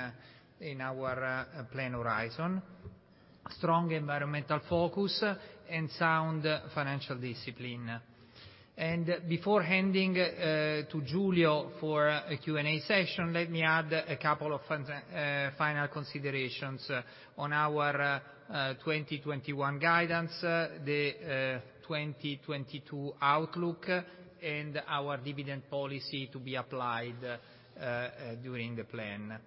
in our plan horizon. Strong environmental focus and sound financial discipline. Before handing to Giulio for a Q&A session, let me add a couple of final considerations on our 2021 guidance, the 2022 outlook, and our dividend policy to be applied during the plan.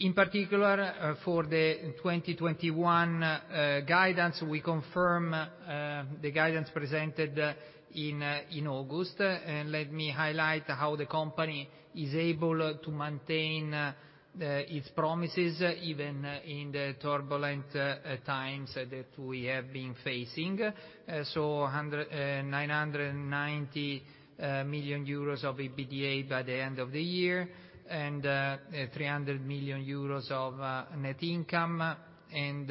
In particular, for the 2021 guidance, we confirm the guidance presented in August. Let me highlight how the company is able to maintain its promises, even in the turbulent times that we have been facing. 990 million euros of EBITDA by the end of the year, and 300 million euros of net income, and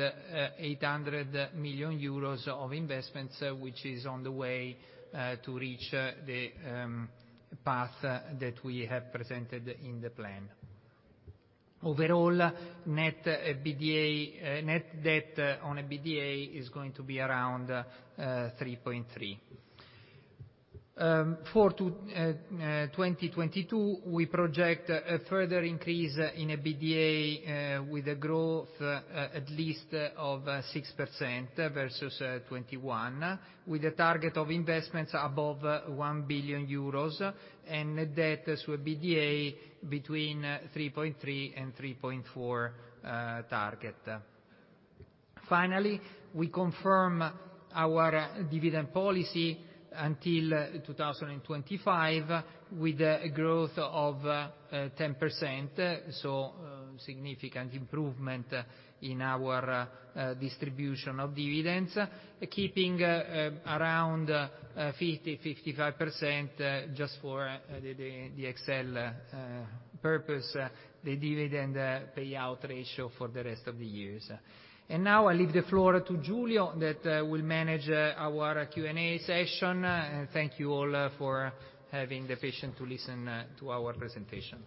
800 million euros of investments, which is on the way to reach the path that we have presented in the plan. Overall, net debt to EBITDA is going to be around 3.3. For 2022, we project a further increase in EBITDA with a growth at least of 6% versus 2021, with a target of investments above 1 billion euros, and net debt to EBITDA between 3.3 and 3.4 target. Finally, we confirm our dividend policy until 2025, with a growth of 10%, significant improvement in our distribution of dividends. Keeping around 50%-55% just for the Excel purpose, the dividend payout ratio for the rest of the years. Now I leave the floor to Giulio that will manage our Q&A session. Thank you all for having the patience to listen to our presentation.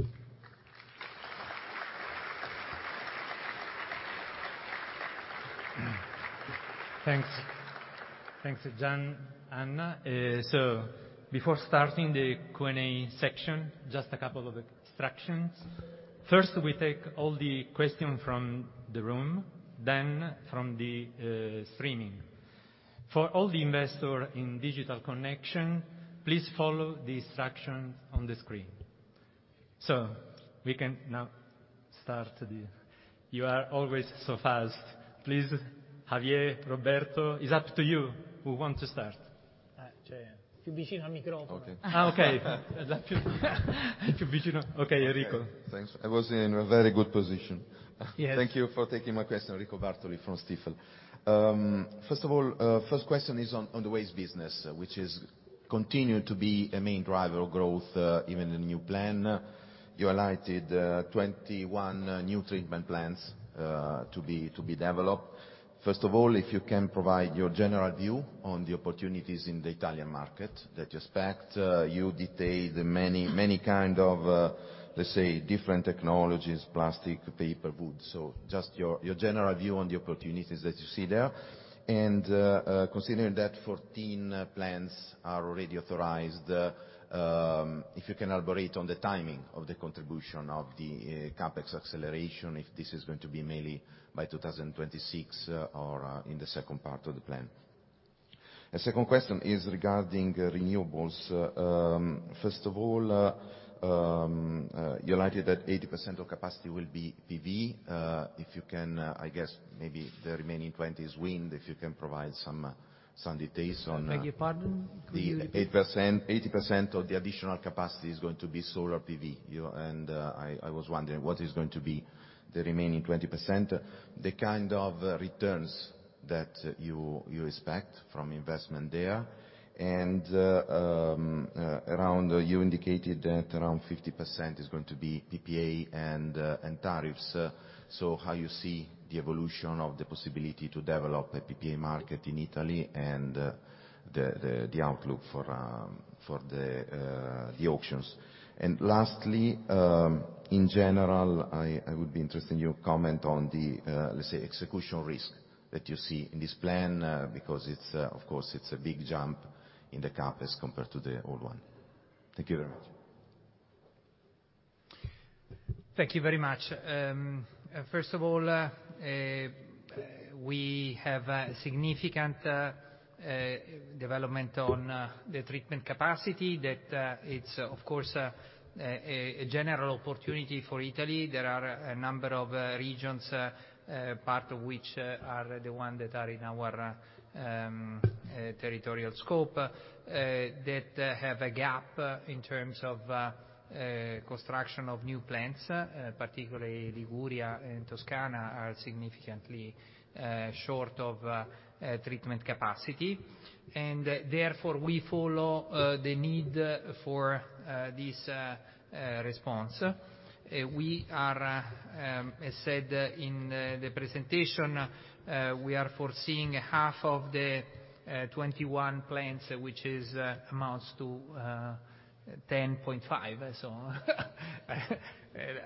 Thanks. Thanks, Gianni, Anna. Before starting the Q&A section, just a couple of instructions. First, we take all the questions from the room, then from the streaming. For all the investors in digital connection, please follow the instructions on the screen. You are always so fast. Please, Javier, Roberto, it's up to you. Who want to start? [Non-English content.] Okay. [Non-English content.] Okay, Enrico. Thanks. I was in a very good position. Yes. Thank you for taking my question. Enrico Bartoli from Stifel. First of all, first question is on the waste business, which is continued to be a main driver of growth, even in the new plan. You highlighted 21 new treatment plants to be developed. First of all, if you can provide your general view on the opportunities in the Italian market that you expect. You detailed the many kind of, let's say, different technologies, plastic, paper, wood. Just your general view on the opportunities that you see there. Considering that 14 plants are already authorized, if you can elaborate on the timing of the contribution of the CapEx acceleration, if this is going to be mainly by 2026, or in the second part of the plan. A second question is regarding renewables. First of all, you highlighted that 80% of capacity will be PV. If you can, I guess maybe the remaining 20% is wind, if you can provide some details on- Beg your pardon? Could you repeat? The 80% of the additional capacity is going to be solar PV. I was wondering what is going to be the remaining 20%, the kind of returns that you expect from investment there. You indicated that around 50% is going to be PPA and tariffs. How you see the evolution of the possibility to develop a PPA market in Italy and the outlook for the auctions. Lastly, in general, I would be interested in your comment on the, let's say, execution risk that you see in this plan, because it's, of course, a big jump in the CapEx compared to the old one. Thank you very much. Thank you very much. First of all, we have a significant development on the treatment capacity that it's, of course, a general opportunity for Italy. There are a number of regions, part of which are the one that are in our territorial scope, that have a gap in terms of construction of new plants. Particularly Liguria and Toscana are significantly short of treatment capacity. Therefore, we follow the need for this response. We are, as said in the presentation, foreseeing half of the 21 plants which amounts to 10.5.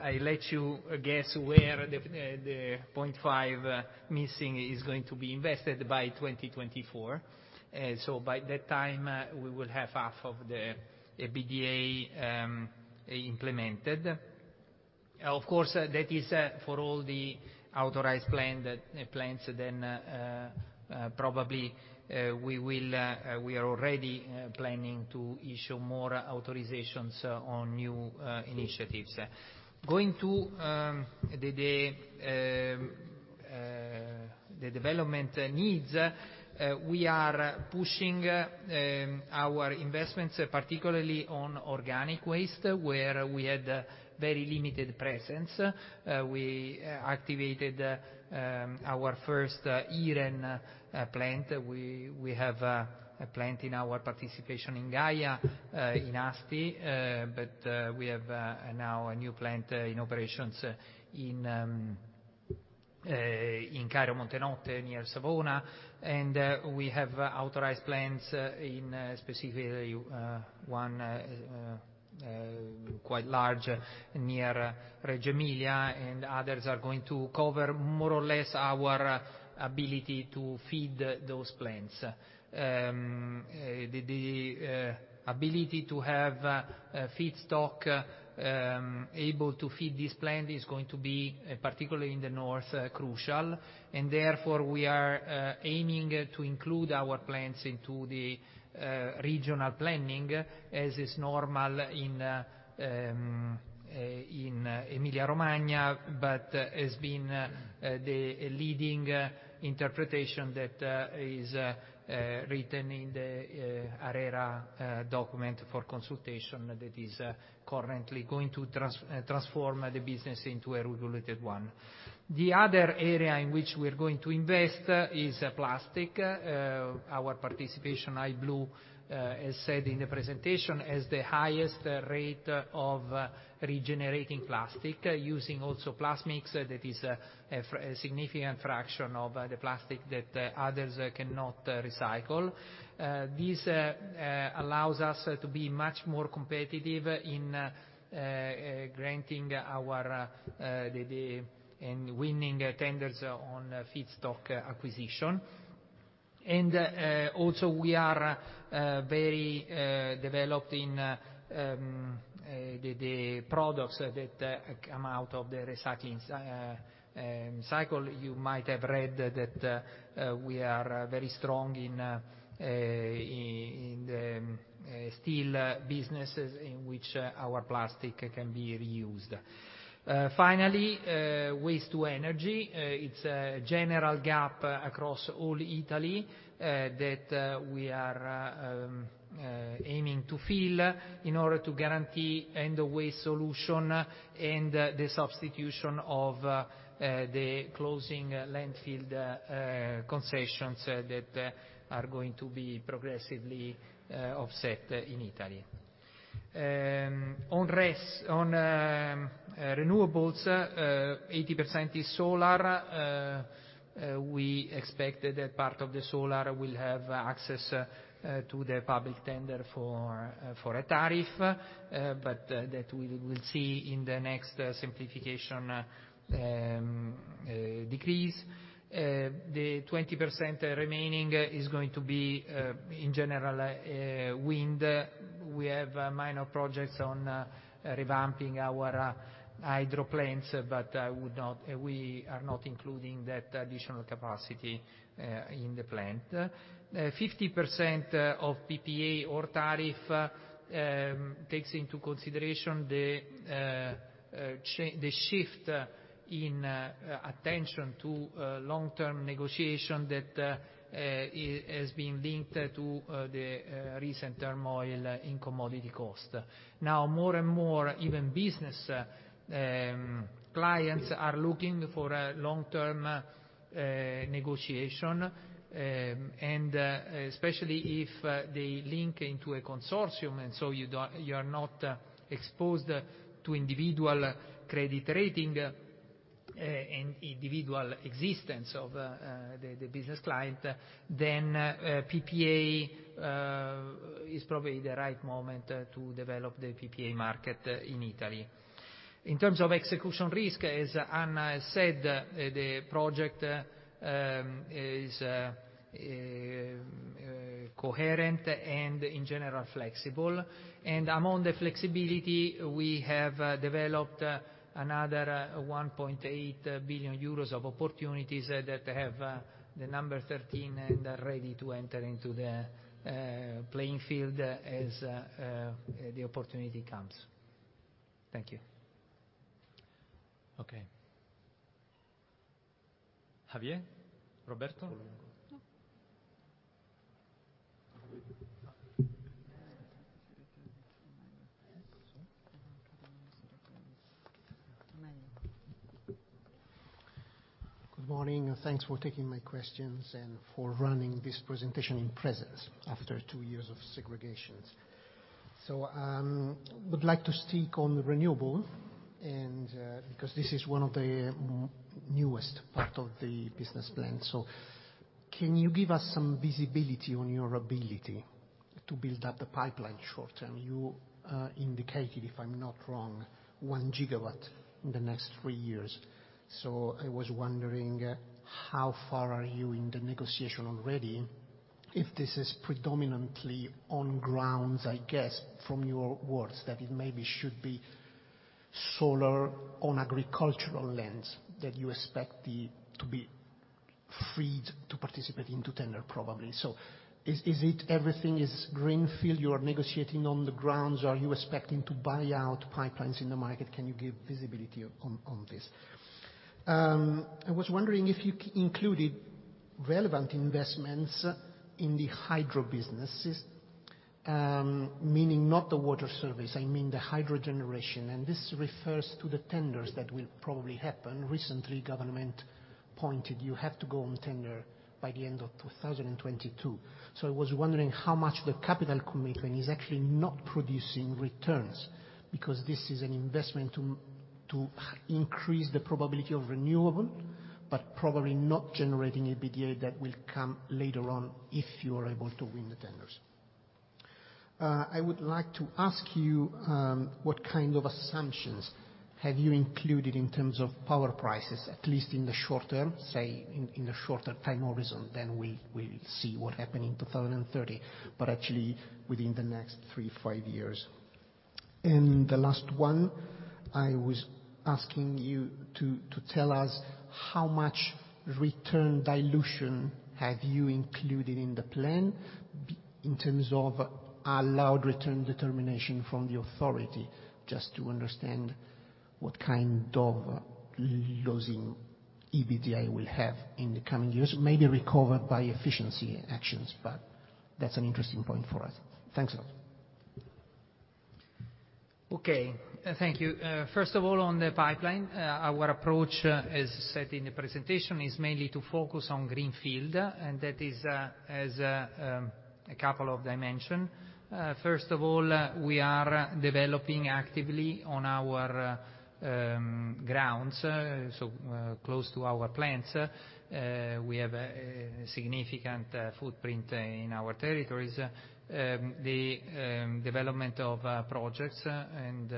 I let you guess where the 0.5 missing is going to be invested by 2024. So by that time, we will have half of the EBITDA implemented. Of course, that is for all the authorized plans then, probably we are already planning to issue more authorizations on new initiatives. Going to the development needs, we are pushing our investments particularly on organic waste, where we had very limited presence. We activated our first Iren plant. We have a plant in our participation in GAIA in Asti, but we have now a new plant in operations in Cairo Montenotte near Savona. We have authorized plants, specifically one quite large near Reggio Emilia, and others are going to cover more or less our ability to feed those plants. The ability to have feedstock able to feed this plant is going to be, particularly in the north, crucial. Therefore, we are aiming to include our plants into the regional planning, as is normal in Emilia-Romagna, but has been the leading interpretation that is written in the ARERA document for consultation that is currently going to transform the business into a regulated one. The other area in which we're going to invest is plastic. Our participation, I.Blu, as said in the presentation, has the highest rate of regenerating plastic using also plasmix. That is a significant fraction of the plastic that others cannot recycle. This allows us to be much more competitive in winning tenders on feedstock acquisition. We are very developed in the products that come out of the recycling cycle. You might have read that we are very strong in the steel businesses in which our plastic can be reused. Finally, waste-to-energy. It's a general gap across all Italy that we are aiming to fill in order to guarantee end-of-waste solution and the substitution of the closing landfill concessions that are going to be progressively offset in Italy. On renewables, 80% is solar. We expected that part of the solar will have access to the public tender for a tariff, but that we will see in the next simplification decree. The 20% remaining is going to be, in general, wind. We have minor projects on revamping our hydro plants, but we are not including that additional capacity in the plant. 50% of PPA or tariff takes into consideration the shift in attention to long-term negotiation that has been linked to the recent turmoil in commodity cost. Now, more and more, even business clients are looking for a long-term negotiation, and especially if they link into a consortium, and so you are not exposed to individual credit rating and individual existence of the business client, then PPA is probably the right moment to develop the PPA market in Italy. In terms of execution risk, as Anna said, the project is coherent and, in general, flexible. Among the flexibility, we have developed another 1.8 billion euros of opportunities that have the number 13 and are ready to enter into the playing field as the opportunity comes. Thank you. Okay. Javier? Roberto? Good morning, and thanks for taking my questions and for running this presentation in presence after two years of segregations. I would like to stick on renewable and, because this is one of the newest part of the business plan. Can you give us some visibility on your ability to build up the pipeline short term? You indicated, if I'm not wrong, one gigawatt in the next three years. I was wondering, how far are you in the negotiation already, if this is predominantly on grounds, I guess, from your words, that it maybe should be solar on agricultural lands that you expect to be freed to participate into tender probably. Is it everything is greenfield you are negotiating on the grounds? Are you expecting to buy out pipelines in the market? Can you give visibility on this? I was wondering if you included relevant investments in the hydro businesses, meaning not the water service, I mean the hydro generation, and this refers to the tenders that will probably happen. Recently, government pointed out you have to go to tender by the end of 2022. I was wondering how much the capital commitment is actually not producing returns because this is an investment to increase the probability of renewable, but probably not generating EBITDA that will come later on if you are able to win the tenders. I would like to ask you what kind of assumptions have you included in terms of power prices, at least in the short term, say in the shorter time horizon, then we'll see what happen in 2030, but actually within the next three, five years. I was asking you to tell us how much return dilution have you included in the plan in terms of allowed return determination from the authority, just to understand what kind of losing EBITDA will have in the coming years, maybe recovered by efficiency actions, but that's an interesting point for us. Thanks a lot. Okay. Thank you. First of all, on the pipeline, our approach, as said in the presentation, is mainly to focus on greenfield, and that is in a couple of dimensions. First of all, we are developing actively on our grounds, so close to our plants. We have a significant footprint in our territories. The development of projects and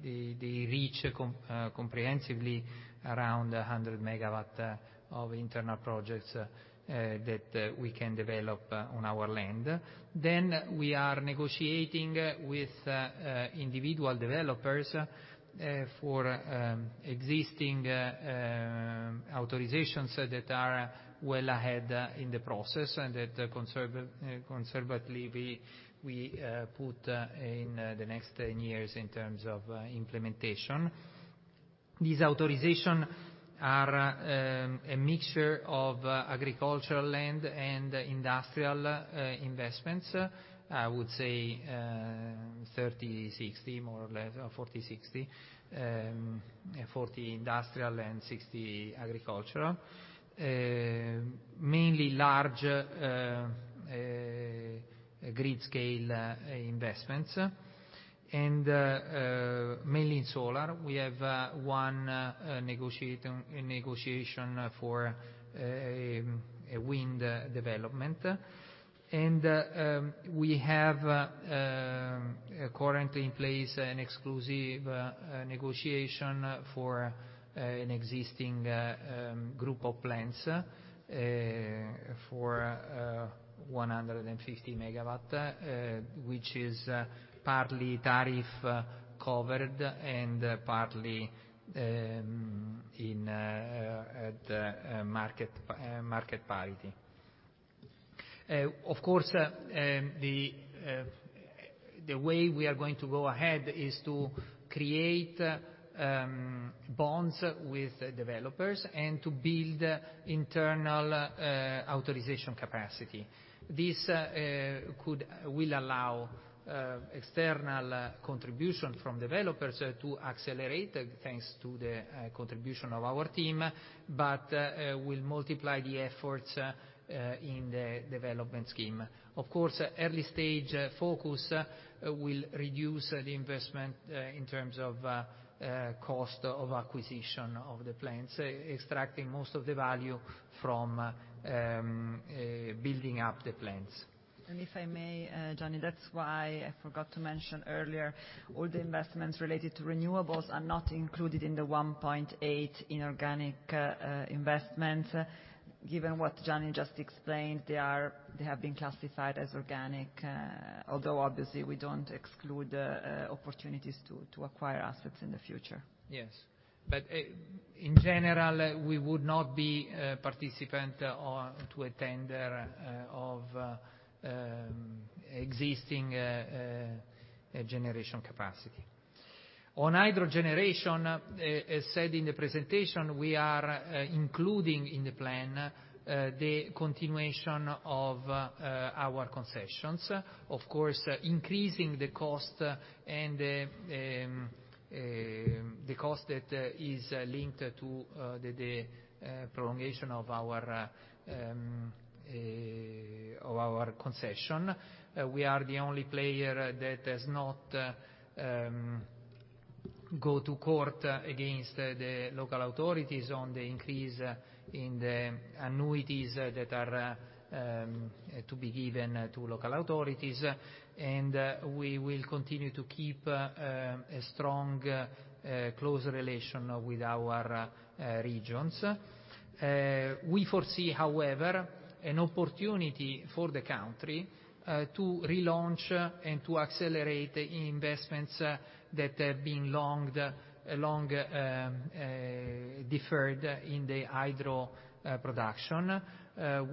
they reach comprehensively around 100 MW of internal projects that we can develop on our land. Then we are negotiating with individual developers for existing authorizations that are well ahead in the process and that conservatively we put in the next 10 years in terms of implementation. These authorizations are a mixture of agricultural land and industrial investments. I would say 30-60, more or less, or 40-60. 40 industrial and 60 agricultural. Mainly large grid-scale investments, and mainly in solar. We have one negotiation for a wind development. We have currently in place an exclusive negotiation for an existing group of plants for 150 MW, which is partly tariff-covered and partly at market parity. Of course, the way we are going to go ahead is to create bonds with the developers and to build internal authorization capacity. This will allow external contribution from developers to accelerate, thanks to the contribution of our team, but will multiply the efforts in the development scheme. Of course, early stage focus will reduce the investment in terms of cost of acquisition of the plants, extracting most of the value from building up the plants. If I may, Gianni, that's why I forgot to mention earlier, all the investments related to renewables are not included in the 1.8 inorganic investments. Given what Johnny just explained, they have been classified as organic, although obviously we don't exclude opportunities to acquire assets in the future. Yes. In general, we would not be a participant or to a tender for existing generation capacity. On hydro generation, as said in the presentation, we are including in the plan the continuation of our concessions. Of course, increasing the cost and the cost that is linked to the prolongation of our concession. We are the only player that has not gone to court against the local authorities on the increase in the annuities that are to be given to local authorities. We will continue to keep a strong close relation with our regions. We foresee, however, an opportunity for the country to relaunch and to accelerate investments that have been long deferred in the hydro production.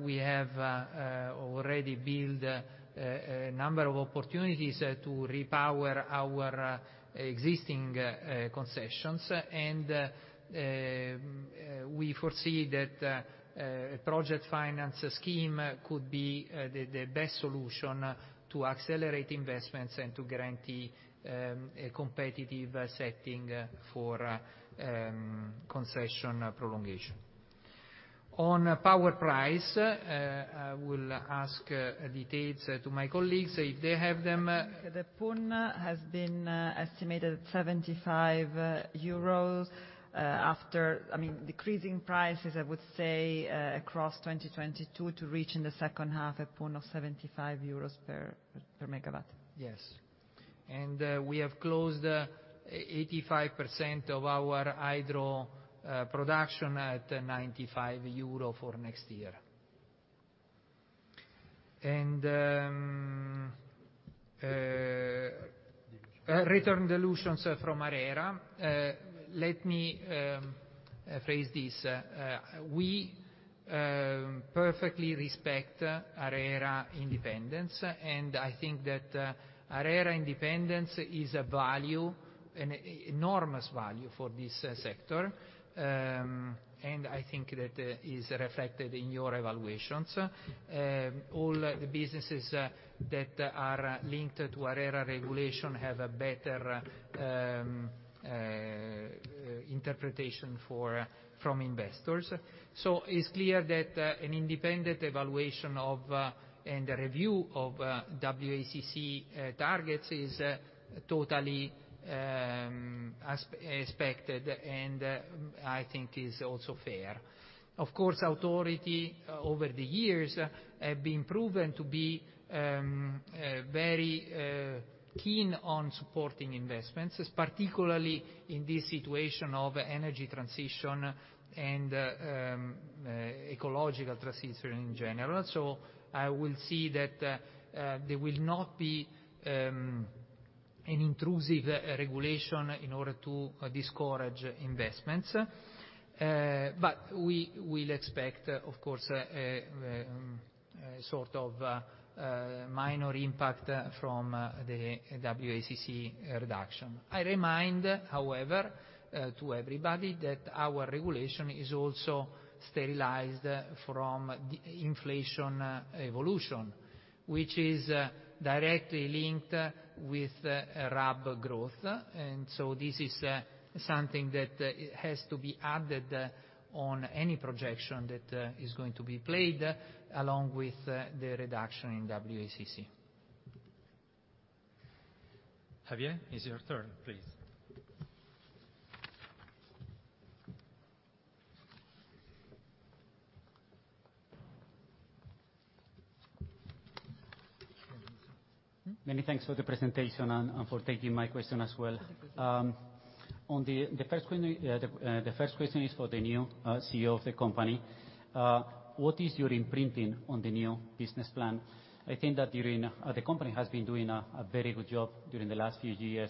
We have already built a number of opportunities to repower our existing concessions. We foresee that a project finance scheme could be the best solution to accelerate investments and to guarantee a competitive setting for concession prolongation. On power price, I will ask the details to my colleagues if they have them. The PUN has been estimated at 75 euros after decreasing prices, I mean, I would say, across 2022 to reach in the second half a point of 75 euros per MW. Yes. We have closed 85% of our hydro production at 95 euro for next year. Rate reductions from ARERA. Let me phrase this. We perfectly respect ARERA independence, and I think that ARERA independence is a value, an enormous value for this sector. I think that is reflected in your evaluations. All the businesses that are linked to ARERA regulation have a better interpretation from investors. It's clear that an independent evaluation of and a review of WACC targets is totally expected, and I think is also fair. Of course, authority over the years have been proven to be very keen on supporting investments, particularly in this situation of energy transition and ecological transition in general. I will see that there will not be an intrusive regulation in order to discourage investments. We will expect, of course, a sort of minor impact from the WACC reduction. I remind, however, to everybody that our regulation is also sterilized from the inflation evolution, which is directly linked with RAB growth. This is something that has to be added on any projection that is going to be played along with the reduction in WACC. Javier, it's your turn, please. Many thanks for the presentation and for taking my question as well. On the first query, the first question is for the new CEO of the company. What is your imprinting on the new business plan? I think that the company has been doing a very good job during the last few years,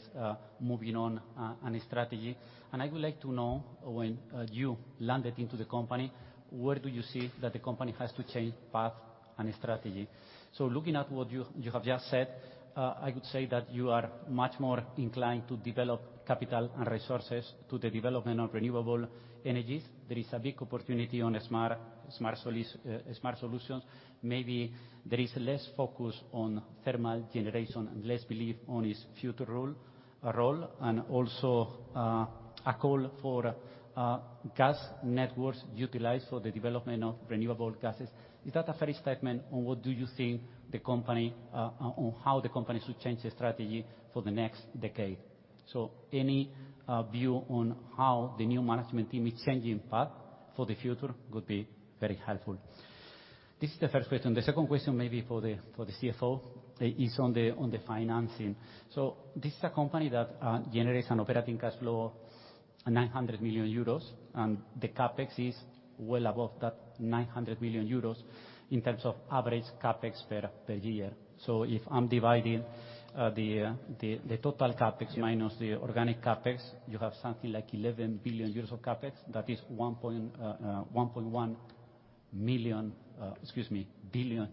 moving on a strategy. I would like to know, when you landed into the company, where do you see that the company has to change path and strategy? Looking at what you have just said, I would say that you are much more inclined to develop capital and resources to the development of renewable energies. There is a big opportunity on Smart Solutions. Maybe there is less focus on thermal generation and less belief on its future role, and also, a call for, gas networks utilized for the development of renewable gases. Is that a fair statement on what do you think the company on how the company should change the strategy for the next decade? Any view on how the new management team is changing path for the future would be very helpful. This is the first question. The second question may be for the CFO is on the financing. This is a company that generates an operating cash flow 900 million euros, and the CapEx is well above that 900 million euros in terms of average CapEx per year. If I'm dividing the total CapEx minus the organic CapEx, you have something like 11 billion euros of CapEx. That is 1.1 billion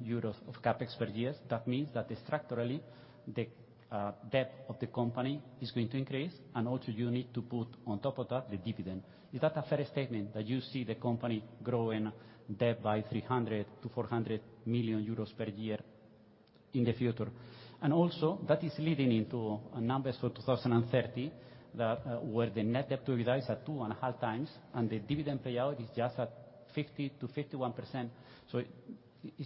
euros of CapEx per year. That means that structurally the debt of the company is going to increase and also you need to put on top of that the dividend. Is that a fair statement, that you see the company growing debt by 300 million-400 million euros per year in the future? That is leading into numbers for 2030 that where the net debt to EBITDA is at 2.5x, and the dividend payout is just at 50%-51%. It's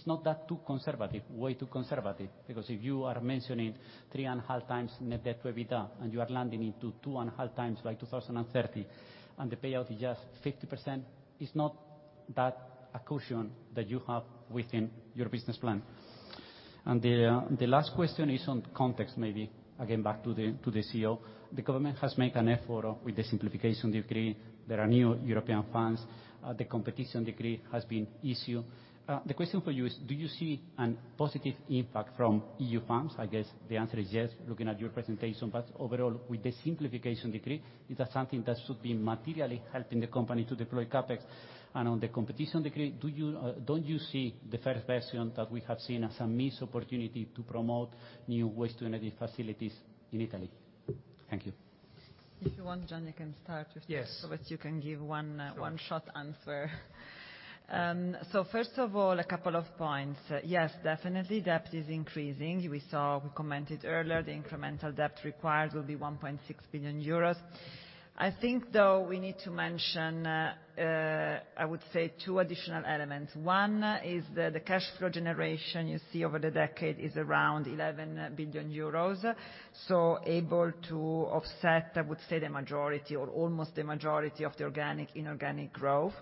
not that too conservative, way too conservative, because if you are mentioning 3.5x net debt to EBITDA, and you are landing into 2.5x by 2030, and the payout is just 50%, it's not that a cushion that you have within your business plan. The last question is on CapEx, maybe again, back to the CEO. The government has made an effort with the Simplification Decree. There are new European funds. The Competition Decree has been issued. The question for you is, do you see a positive impact from EU funds? I guess the answer is yes, looking at your presentation. Overall, with the Simplification Decree, is that something that should be materially helping the company to deploy CapEx? On the competition decree, do you, don't you see the first version that we have seen as a missed opportunity to promote new waste-to-energy facilities in Italy? Thank you. If you want, Gianni, you can start with. Yes. That you can give one short answer. First of all, a couple of points. Yes, definitely debt is increasing. We saw, we commented earlier, the incremental debt required will be 1.6 billion euros. I think, though, we need to mention, I would say two additional elements. One is the cash flow generation you see over the decade is around 11 billion euros. Able to offset, I would say, the majority or almost the majority of the organic, inorganic growth.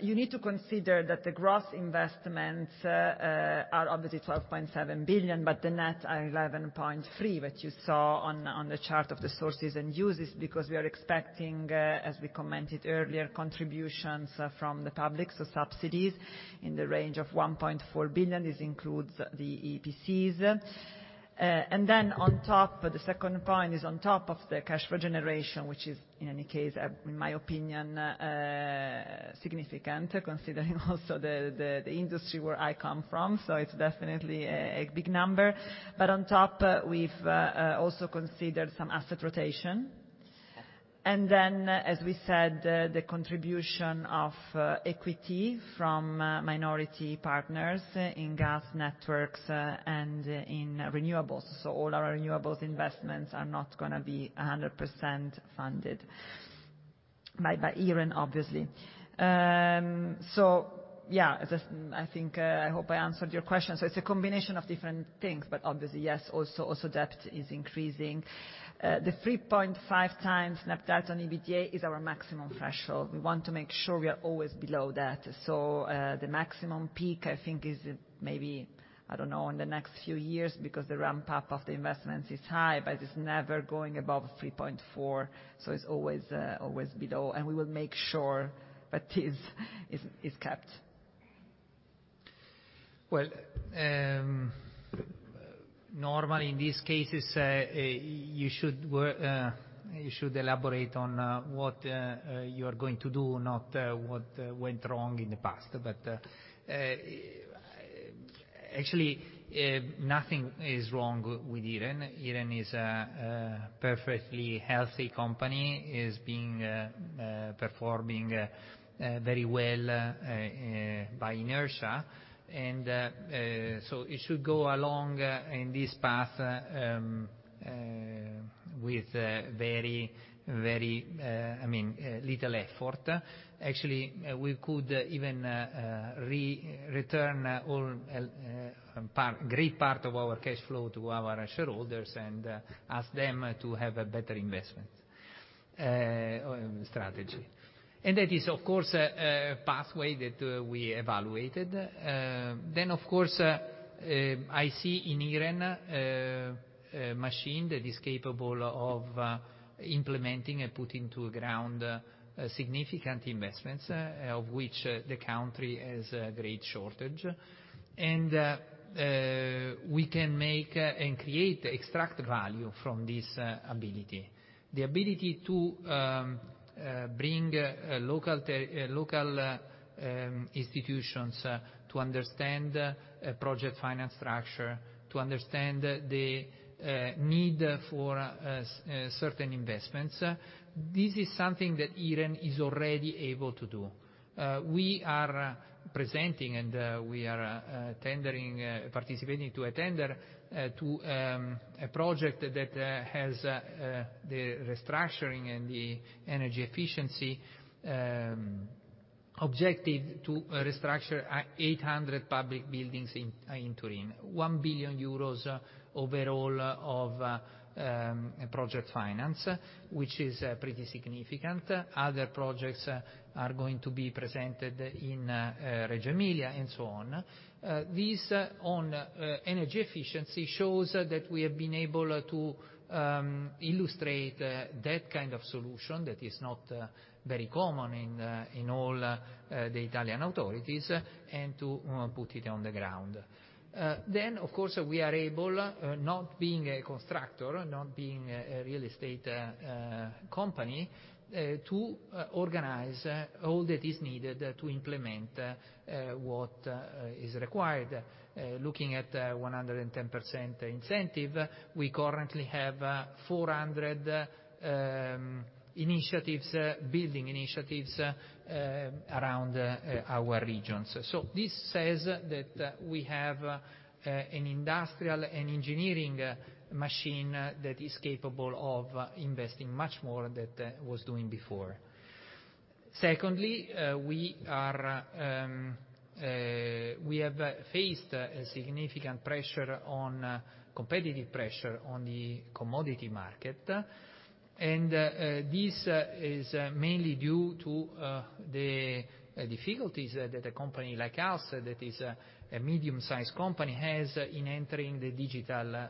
You need to consider that the gross investments are obviously 12.7 billion, but the net are 11.3 billion, that you saw on the chart of the sources and uses, because we are expecting, as we commented earlier, contributions from the public, so subsidies in the range of 1.4 billion. This includes the EPCs. On top, the second point is on top of the cash flow generation, which is in any case, in my opinion, significant, considering also the industry where I come from, so it's definitely a big number. On top, we've also considered some asset rotation. As we said, the contribution of equity from minority partners in gas networks and in renewables. All our renewables investments are not gonna be 100% funded by Iren, obviously. Yeah, just I think, I hope I answered your question. It's a combination of different things, but obviously, yes, also debt is increasing. The 3.5x net debt on EBITDA is our maximum threshold. We want to make sure we are always below that. The maximum peak, I think is maybe, I don't know, in the next few years, because the ramp-up of the investments is high, but it's never going above 3.4. It's always below, and we will make sure that is kept. Well, normally in these cases, you should elaborate on what you are going to do, not what went wrong in the past. Actually, nothing is wrong with Iren. Iren is a perfectly healthy company, performing very well by inertia. It should go along in this path with very, I mean, little effort. Actually, we could even return a great part of our cash flow to our shareholders and ask them to have a better investment strategy. That is, of course, a pathway that we evaluated. I see in Iren a machine that is capable of implementing and putting on the ground significant investments of which the country has a great shortage. We can make and create, extract value from this ability. The ability to bring local institutions to understand project finance structure, to understand the need for certain investments. This is something that Iren is already able to do. We are presenting and we are tendering, participating to a tender to a project that has the restructuring and the energy efficiency objective to restructure 800 public buildings in Turin. 1 billion euros overall of project finance, which is pretty significant. Other projects are going to be presented in Reggio Emilia and so on. This on energy efficiency shows that we have been able to illustrate that kind of solution that is not very common in all the Italian authorities, and to put it on the ground. Of course, we are able, not being a constructor, not being a real estate company, to organize all that is needed to implement what is required. Looking at 110% incentive, we currently have 400 building initiatives around our regions. This says that we have an industrial and engineering machine that is capable of investing much more than it was doing before. Secondly, we have faced a significant competitive pressure on the commodity market. This is mainly due to the difficulties that a company like us that is a medium-sized company has in entering the digital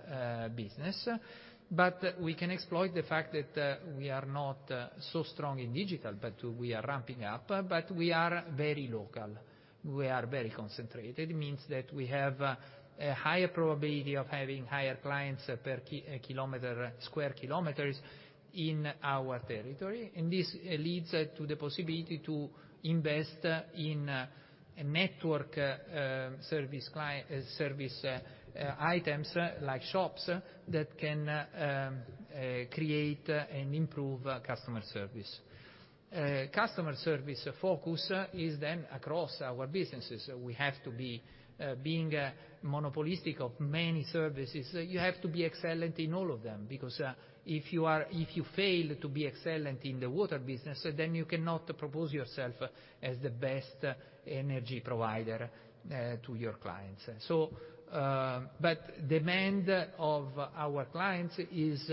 business. We can exploit the fact that we are not so strong in digital, but we are ramping-up. We are very local. We are very concentrated. It means that we have a higher probability of having higher clients per kilometer, square kilometers in our territory, and this leads to the possibility to invest in a network, service items like shops that can create and improve customer service. Customer service focus is then across our businesses. We have to be being monopolistic of many services. You have to be excellent in all of them because if you fail to be excellent in the water business, then you cannot propose yourself as the best energy provider to your clients. Demand of our clients is,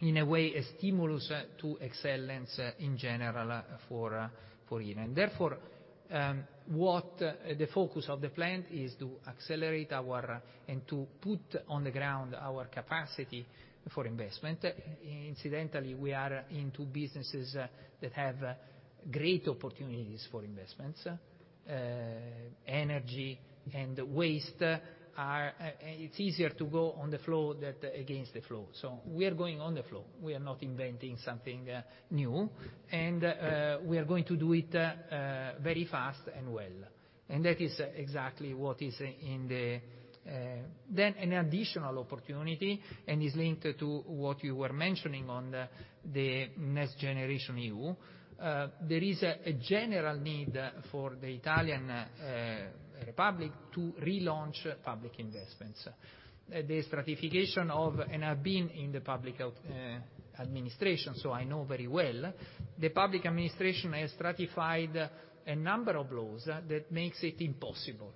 in a way, a stimulus to excellence in general for Iren. Therefore, what the focus of the plan is to accelerate our and to put on the ground our capacity for investment. Incidentally, we are in two businesses that have great opportunities for investments. Energy and waste. It's easier to go on the flow than against the flow. We are going on the flow. We are not inventing something new, and we are going to do it very fast and well. That is exactly what is in the. An additional opportunity is linked to what you were mentioning on the NextGenerationEU. There is a general need for the Italian Republic to relaunch public investments. The stratification of. I've been in the public health administration, so I know very well. The public administration has stratified a number of laws that makes it impossible.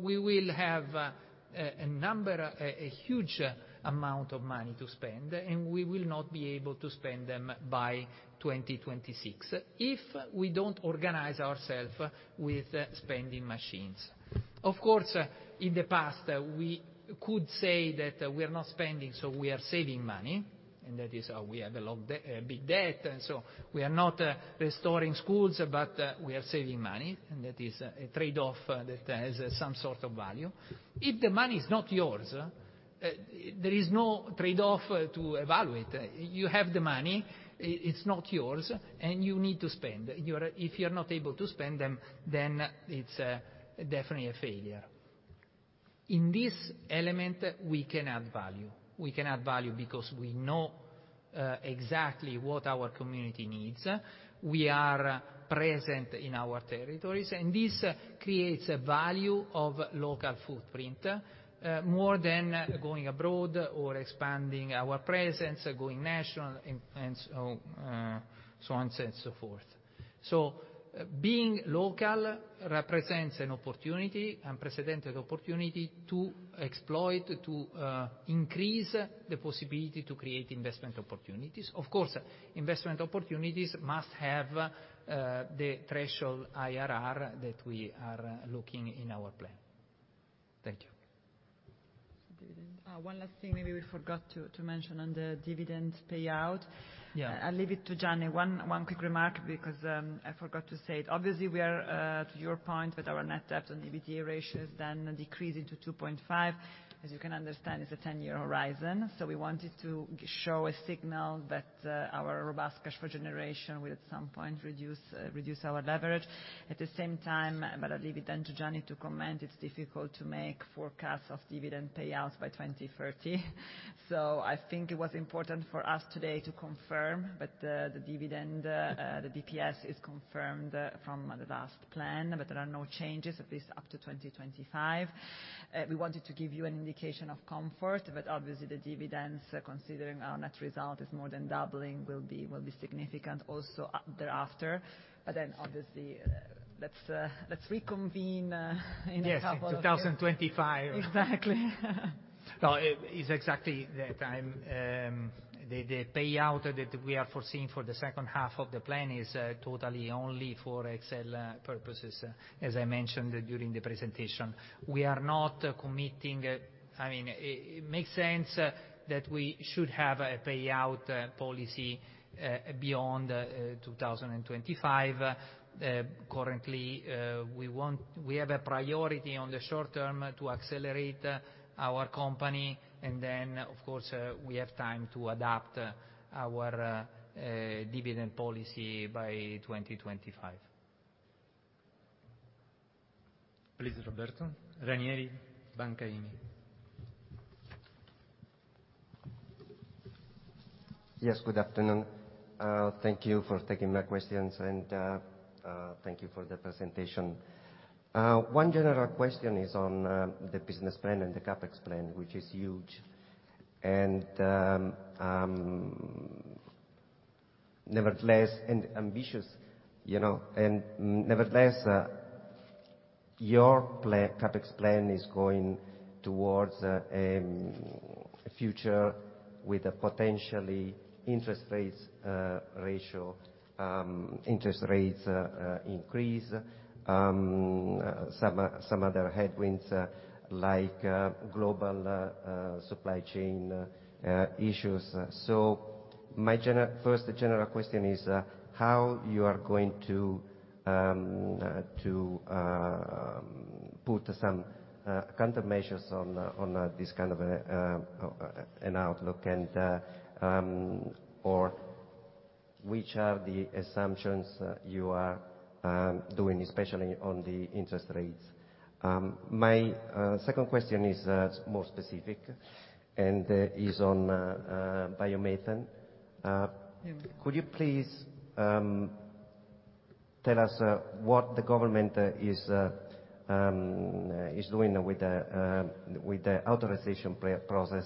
We will have a huge amount of money to spend, and we will not be able to spend them by 2026 if we don't organize ourselves with spending machines. Of course, in the past, we could say that we are not spending, so we are saving money, and that is how we have a big debt. We are not restoring schools, but we are saving money, and that is a trade-off that has some sort of value. If the money is not yours, there is no trade-off to evaluate. You have the money, it's not yours, and you need to spend. If you're not able to spend them, then it's definitely a failure. In this element, we can add value. We can add value because we know exactly what our community needs. We are present in our territories, and this creates a value of local footprint more than going abroad or expanding our presence, going national, and so on and so forth. Being local represents an opportunity, unprecedented opportunity to exploit, to increase the possibility to create investment opportunities. Of course, investment opportunities must have the threshold IRR that we are looking in our plan. Thank you. Dividend. One last thing maybe we forgot to mention on the dividend payout. Yeah. I'll leave it to Gianni. One quick remark because I forgot to say it. Obviously, we are to your point with our net debt on EBITDA ratios then decreasing to 2.5, as you can understand, it's a 10-year horizon. We wanted to show a signal that our robust cash flow generation will at some point reduce our leverage. At the same time, I'll leave it then to Gianni to comment, it's difficult to make forecasts of dividend payouts by 2030. I think it was important for us today to confirm that the dividend, the DPS is confirmed from the last plan, but there are no changes, at least up to 2025. We wanted to give you an indication of comfort, but obviously the dividends, considering our net result is more than doubling, will be significant also thereafter. Obviously, let's reconvene in a couple of years. Yes, in 2025. Exactly. No, it's exactly that. The payout that we are foreseeing for the second half of the plan is totally only for Excel purposes, as I mentioned during the presentation. We are not committing. I mean, it makes sense that we should have a payout policy beyond 2025. Currently, we have a priority on the short term to accelerate our company, and then, of course, we have time to adapt our dividend policy by 2025. Please, Roberto. Ranieri, Intesa Sanpaolo. Yes, good afternoon. Thank you for taking my questions, and thank you for the presentation. One general question is on the business plan and the CapEx plan, which is huge. Nevertheless, an ambitious, you know. Nevertheless, your CapEx plan is going towards a future with a potential interest rate increase. Some other headwinds like global supply chain issues. My first general question is how you are going to put some countermeasures on this kind of an outlook and or which are the assumptions you are doing, especially on the interest rates? My second question is more specific and is on biomethane. Could you please tell us what the government is doing with the authorization process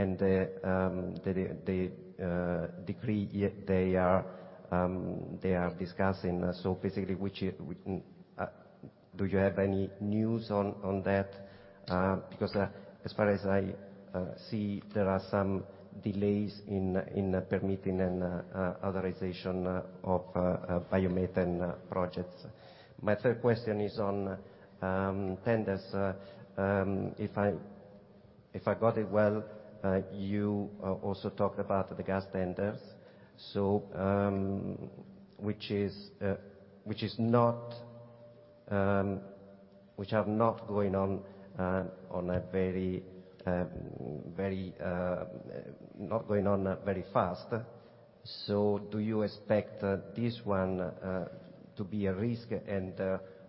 and the decree they are discussing? Basically, do you have any news on that? Because as far as I see, there are some delays in permitting and authorization of biomethane projects. My third question is on tenders. If I got it well, you also talked about the gas tenders. Which are not going on very fast. Do you expect this one to be a risk, and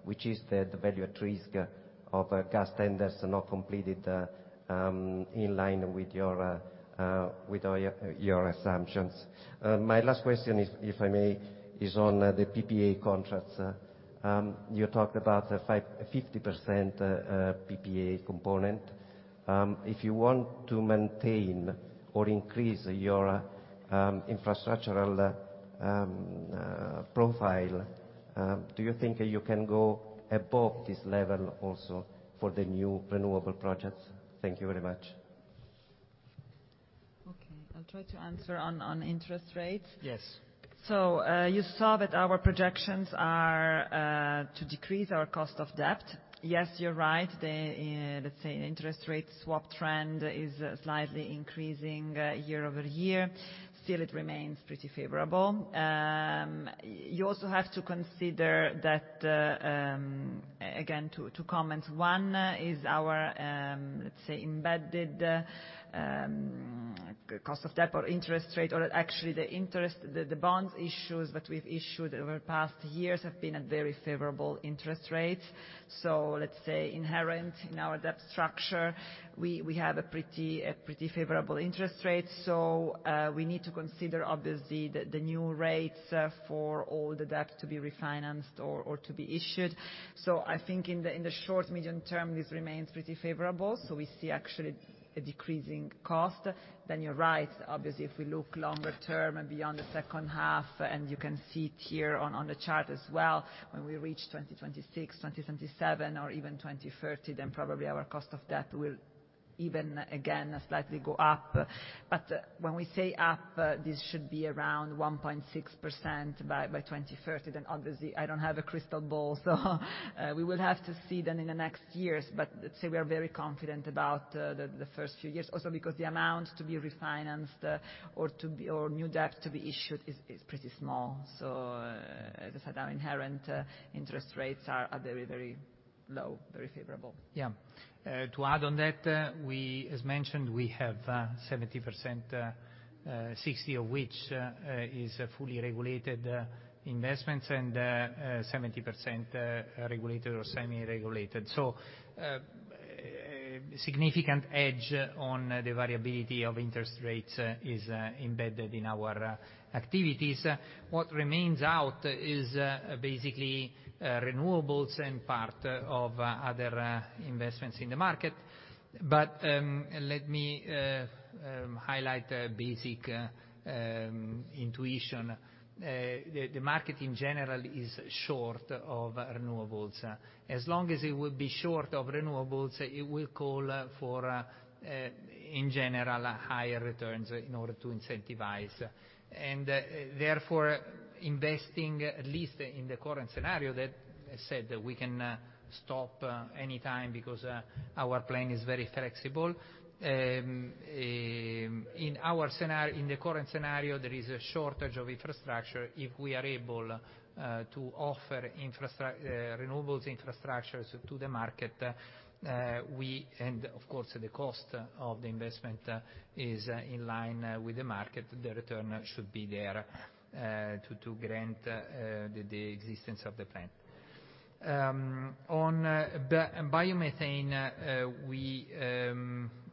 which is the value at risk of gas tenders not completed in line with your assumptions? My last question, if I may, is on the PPA contracts. You talked about a 50% PPA component. If you want to maintain or increase your infrastructural profile, do you think you can go above this level also for the new renewable projects? Thank you very much. Okay. I'll try to answer on interest rates. Yes. You saw that our projections are to decrease our cost of debt. Yes, you're right. Let's say, the interest rate swap trend is slightly increasing year-over-year. Still, it remains pretty favorable. You also have to consider that, again, two comments. One is our, let's say, embedded cost of debt or interest rate, or actually the interest, the bond issues that we've issued over the past years have been at very favorable interest rates. Let's say inherent in our debt structure, we have a pretty favorable interest rate. We need to consider obviously the new rates for all the debt to be refinanced or to be issued. I think in the short- to medium-term, this remains pretty favorable. We see actually a decreasing cost. You're right, obviously, if we look longer term and beyond the second half, and you can see it here on the chart as well, when we reach 2026, 2027 or even 2030, probably our cost of debt will even again slightly go up. When we say up, this should be around 1.6% by 2030, obviously I don't have a crystal ball, so we will have to see then in the next years. Let's say we are very confident about the first few years also because the amount to be refinanced or to be, or new debt to be issued is pretty small. As I said, our inherent interest rates are very, very low, very favorable. To add on that, as mentioned, we have 70%, 60% of which is fully regulated investments and 70% regulated or semi-regulated. Significant edge on the variability of interest rates is embedded in our activities. What remains out is basically renewables and part of other investments in the market. Let me highlight a basic intuition. The market in general is short of renewables. As long as it will be short of renewables, it will call for in general higher returns in order to incentivize and therefore investing, at least in the current scenario. That said, we can stop anytime because our plan is very flexible. In the current scenario, there is a shortage of infrastructure. If we are able to offer renewables infrastructures to the market, and of course, the cost of the investment is in line with the market, the return should be there to grant the existence of the plan. On biomethane, we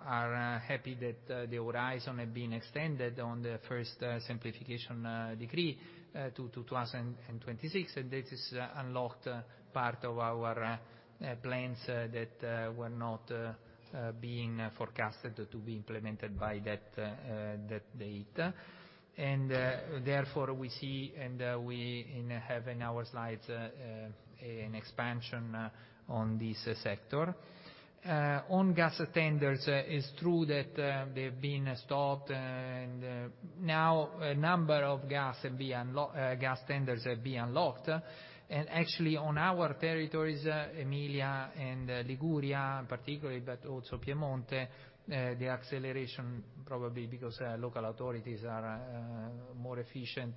are happy that the horizon had been extended on the first simplification decree to 2026, and this has unlocked part of our plans that were not being forecasted to be implemented by that date. Therefore, we have in our slides an expansion on this sector. On gas tenders, it's true that they've been stopped, and now a number of gas tenders have been unlocked. Actually, on our territories, Emilia and Liguria in particular, but also Piemonte, the acceleration probably because local authorities are more efficient,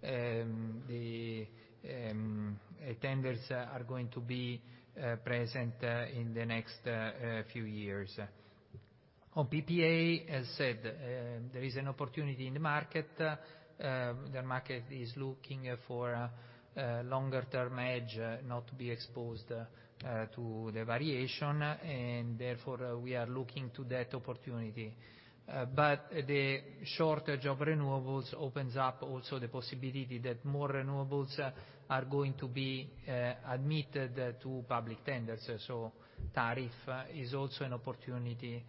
the tenders are going to be present in the next few years. On PPA, as said, there is an opportunity in the market. The market is looking for a longer-term hedge, not to be exposed to the variation, and therefore, we are looking to that opportunity. But the shortage of renewables opens up also the possibility that more renewables are going to be admitted to public tenders. Tariff is also an opportunity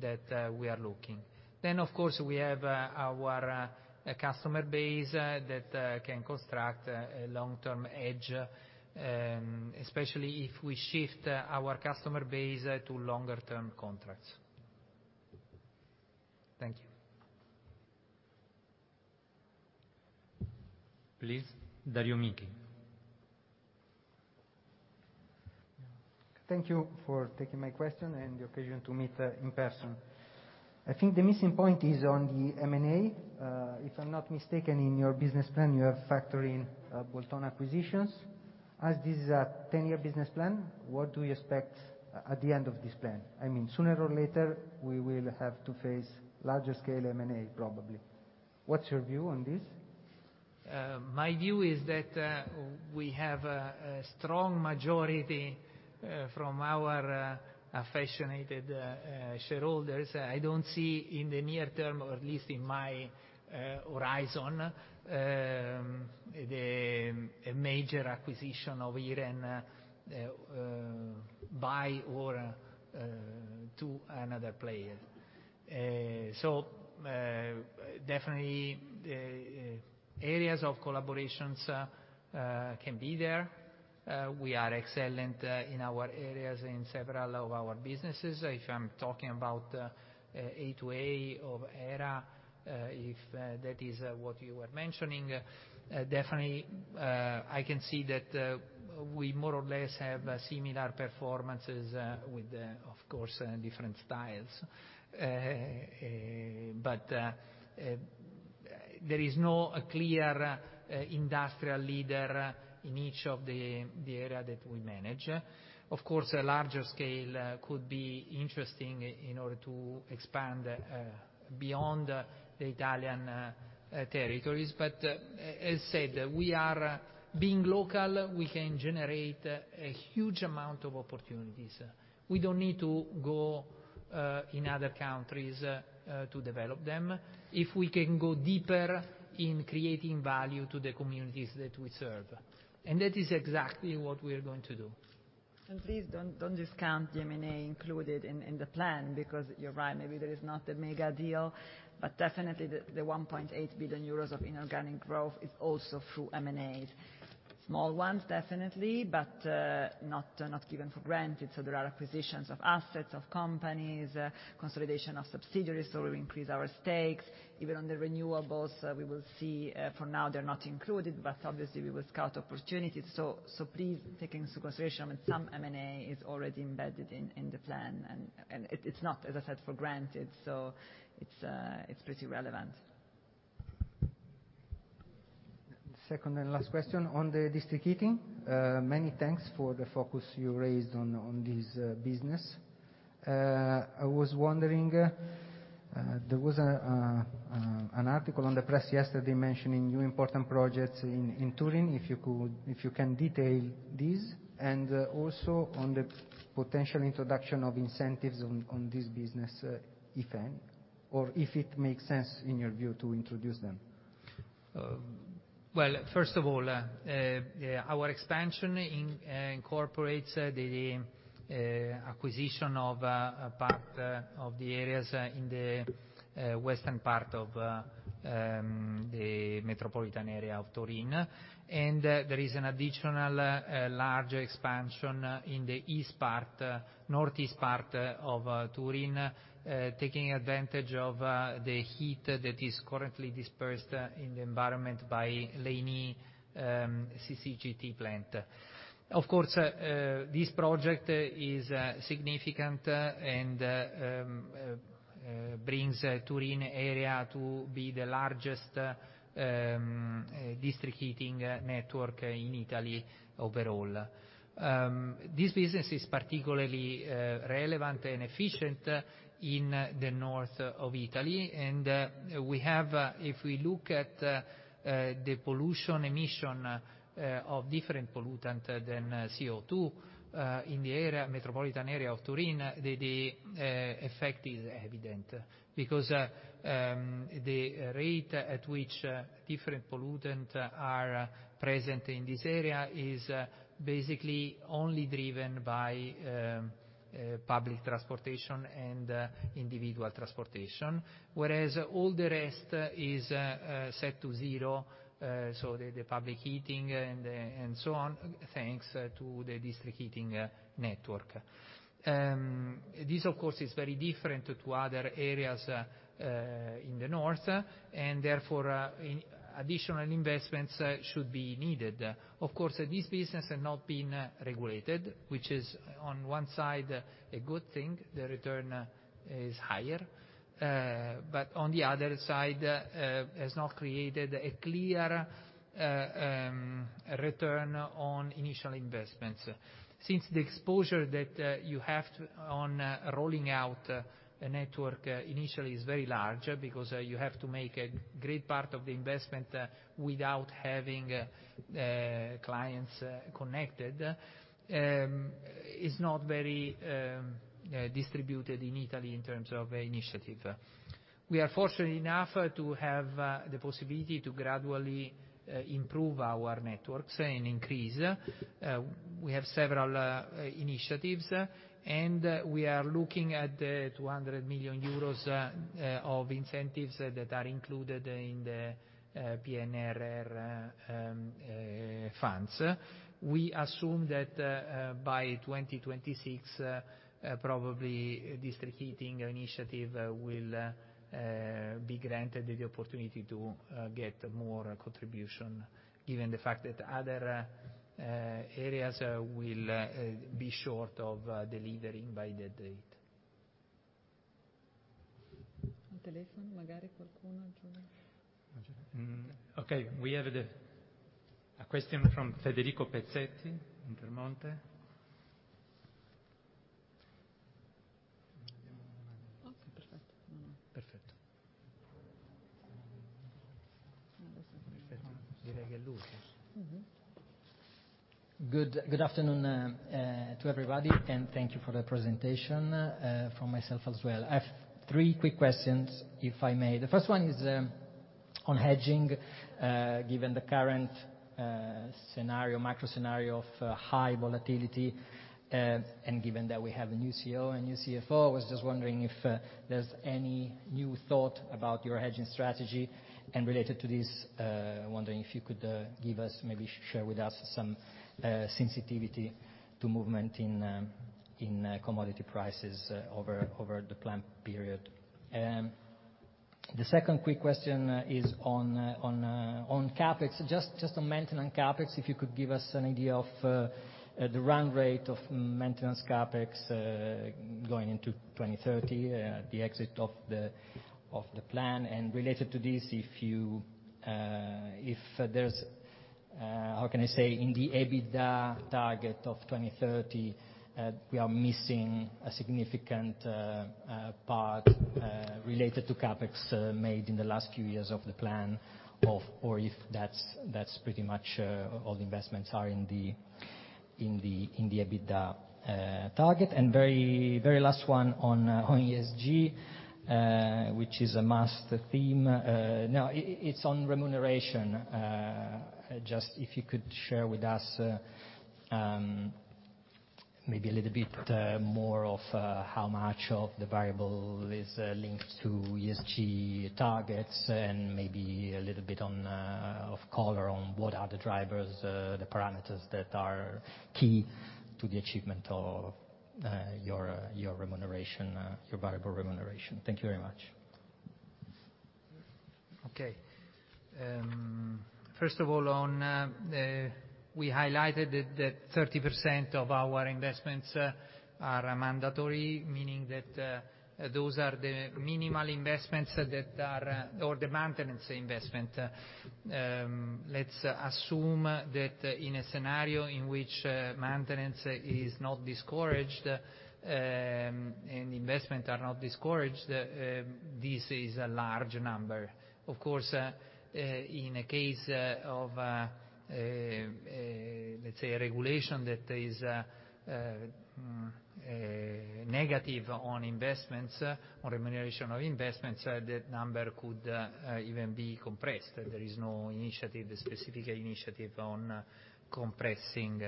that we are looking. Of course, we have our customer base that can construct a long-term edge, especially if we shift our customer base to longer term contracts. Thank you. Please, Dario Michi. Thank you for taking my question and the occasion to meet, in person. I think the missing point is on the M&A. If I'm not mistaken, in your business plan, you have factor in, bolt-on acquisitions. As this is a 10-year business plan, what do you expect at the end of this plan? I mean, sooner or later, we will have to face larger scale M&A, probably. What's your view on this? My view is that we have a strong majority from our affiliated shareholders. I don't see in the near term, or at least in my horizon, a major acquisition of Iren by or to another player. Definitely the areas of collaborations can be there. We are excellent in our areas in several of our businesses. If I'm talking about A2A or Hera, if that is what you were mentioning, definitely I can see that we more or less have similar performances with of course different styles. There is no clear industrial leader in each of the area that we manage. Of course, a larger scale could be interesting in order to expand beyond the Italian territories. As said, we are being local, we can generate a huge amount of opportunities. We don't need to go in other countries to develop them if we can go deeper in creating value to the communities that we serve. That is exactly what we are going to do. Please don't discount the M&A included in the plan, because you're right, maybe there is not a mega deal, but definitely the 1.8 billion euros of inorganic growth is also through M&As. Small ones, definitely, but not given for granted. There are acquisitions of assets, of companies, consolidation of subsidiaries, so we increase our stakes. Even on the renewables, we will see. For now, they're not included, but obviously, we will scout opportunities. Please take into consideration with some M&A is already embedded in the plan, and it's not, as I said, for granted, so it's pretty relevant. Second and last question on the district heating. Many thanks for the focus you raised on this business. I was wondering, there was an article in the press yesterday mentioning new important projects in Turin. If you could detail this and also on the potential introduction of incentives on this business, if any, or if it makes sense in your view to introduce them. Well, first of all, our expansion incorporates the acquisition of a part of the areas in the western part of the metropolitan area of Turin. There is an additional large expansion in the east part, northeast part of Turin, taking advantage of the heat that is currently dispersed in the environment by Iren CCGT plant. Of course, this project is significant and brings Turin area to be the largest district heating network in Italy overall. This business is particularly relevant and efficient in the north of Italy, and we have, if we look at the pollution emission of different pollutant than CO2 in the metropolitan area of Turin, the effect is evident because the rate at which different pollutant are present in this area is basically only driven by public transportation and individual transportation, whereas all the rest is set to zero, so the public heating and so on, thanks to the district heating network. This of course is very different to other areas in the north, and therefore additional investments should be needed. Of course, this business has not been regulated, which is on one side a good thing, the return is higher, but on the other side has not created a clear return on initial investments. Since the exposure that you have to rolling out a network initially is very large, because you have to make a great part of the investment without having clients connected, is not very distributed in Italy in terms of initiative. We are fortunate enough to have the possibility to gradually improve our networks and increase. We have several initiatives, and we are looking at 200 million euros of incentives that are included in the PNRR funds. We assume that by 2026, probably district heating initiative will be granted the opportunity to get more contribution, given the fact that other areas will be short of delivering by the date. Okay. We have a question from Federico Pezzetti, Intermonte Good afternoon to everybody, and thank you for the presentation from myself as well. I have three quick questions, if I may. The first one is on hedging. Given the current scenario, macro scenario of high volatility, and given that we have a new CEO and new CFO, I was just wondering if there's any new thought about your hedging strategy. Related to this, wondering if you could give us, maybe share with us some sensitivity to movement in commodity prices over the plan period. The second quick question is on CapEx, just on maintenance CapEx, if you could give us an idea of the run rate of maintenance CapEx going into 2030, the exit of the plan. Related to this, if there's how can I say in the EBITDA target of 2030, we are missing a significant part related to CapEx made in the last few years of the plan or if that's pretty much all the investments are in the EBITDA target. Very, very last one on ESG, which is a master theme. No, it's on remuneration. Just if you could share with us, maybe a little bit more on how much of the variable is linked to ESG targets and maybe a little bit of color on what are the drivers, the parameters that are key to the achievement of your remuneration, your variable remuneration. Thank you very much. First of all, we highlighted that 30% of our investments are mandatory, meaning that those are the minimal investments or the maintenance investment. Let's assume that in a scenario in which maintenance is not discouraged, and investment are not discouraged, this is a large number. Of course, in a case of, let's say, a regulation that is negative on investments or remuneration of investments, that number could even be compressed. There is no initiative, specific initiative on compressing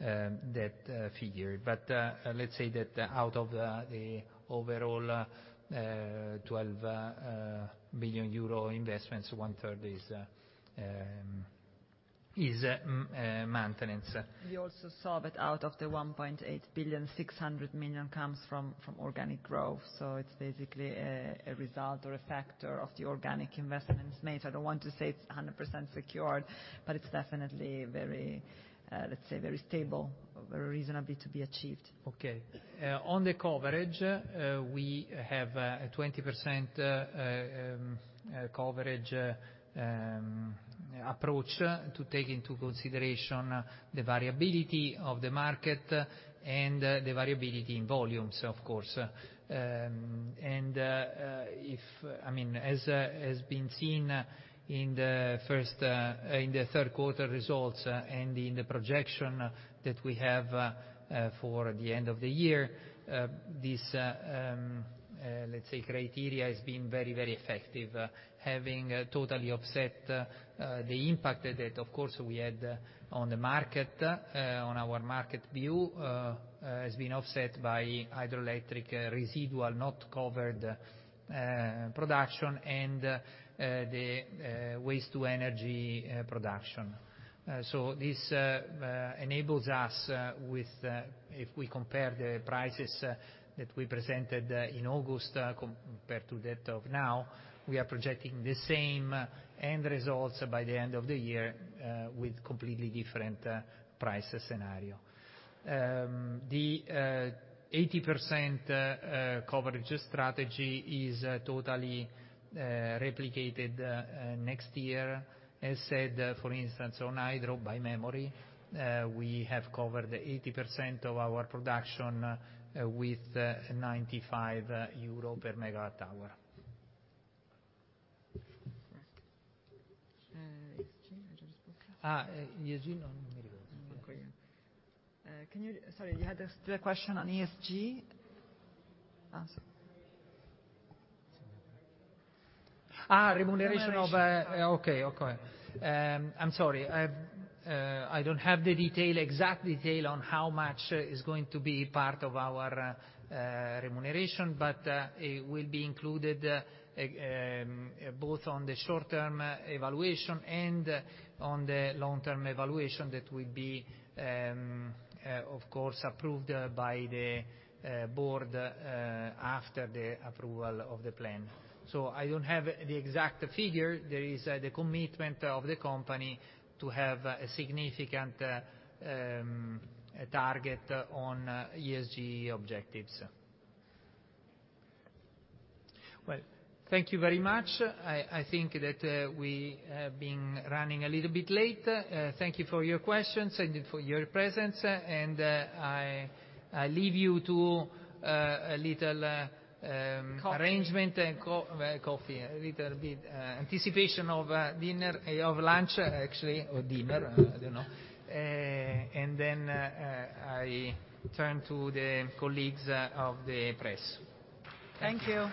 that figure. Let's say that out of the overall 12 billion euro investments, one-third is maintenance. We also saw that out of the 1.8 billion, 600 million comes from organic growth. It's basically a result or effect of the organic investments made. I don't want to say it's 100% secured, but it's definitely very, let's say, very stable or reasonably to be achieved. Okay. On the coverage, we have a 20% coverage approach to take into consideration the variability of the market and the variability in volumes, of course. I mean, as has been seen in the third quarter results and in the projection that we have for the end of the year, this, let's say, criteria has been very effective, having totally offset the impact that, of course, we had on the market. On our market view, has been offset by hydroelectric residual not covered production and the waste-to-energy production. This enables us with, if we compare the prices that we presented in August compared to that of now, we are projecting the same end results by the end of the year, with completely different price scenario. The 80% coverage strategy is totally replicated next year. As said, for instance, on hydro, by memory, we have covered 80% of our production with EUR 95 per MWh. Right. ESG, I just spoke of. ESG. No, M&A goes. Okay, yeah. Sorry, you had a question on ESG? Ask. Ah, remuneration of- Remuneration of- Okay. I'm sorry. I don't have the exact detail on how much is going to be part of our remuneration, but it will be included both on the short-term evaluation and on the long-term evaluation that will be of course approved by the board after the approval of the plan. So I don't have the exact figure. There is the commitment of the company to have a significant target on ESG objectives. Well, thank you very much. I think that we have been running a little bit late. Thank you for your questions and for your presence. I leave you to a little, Coffee Arrangement and coffee, a little bit anticipation of dinner, of lunch, actually, or dinner, I don't know. Then, I turn to the colleagues of the press. Thank you.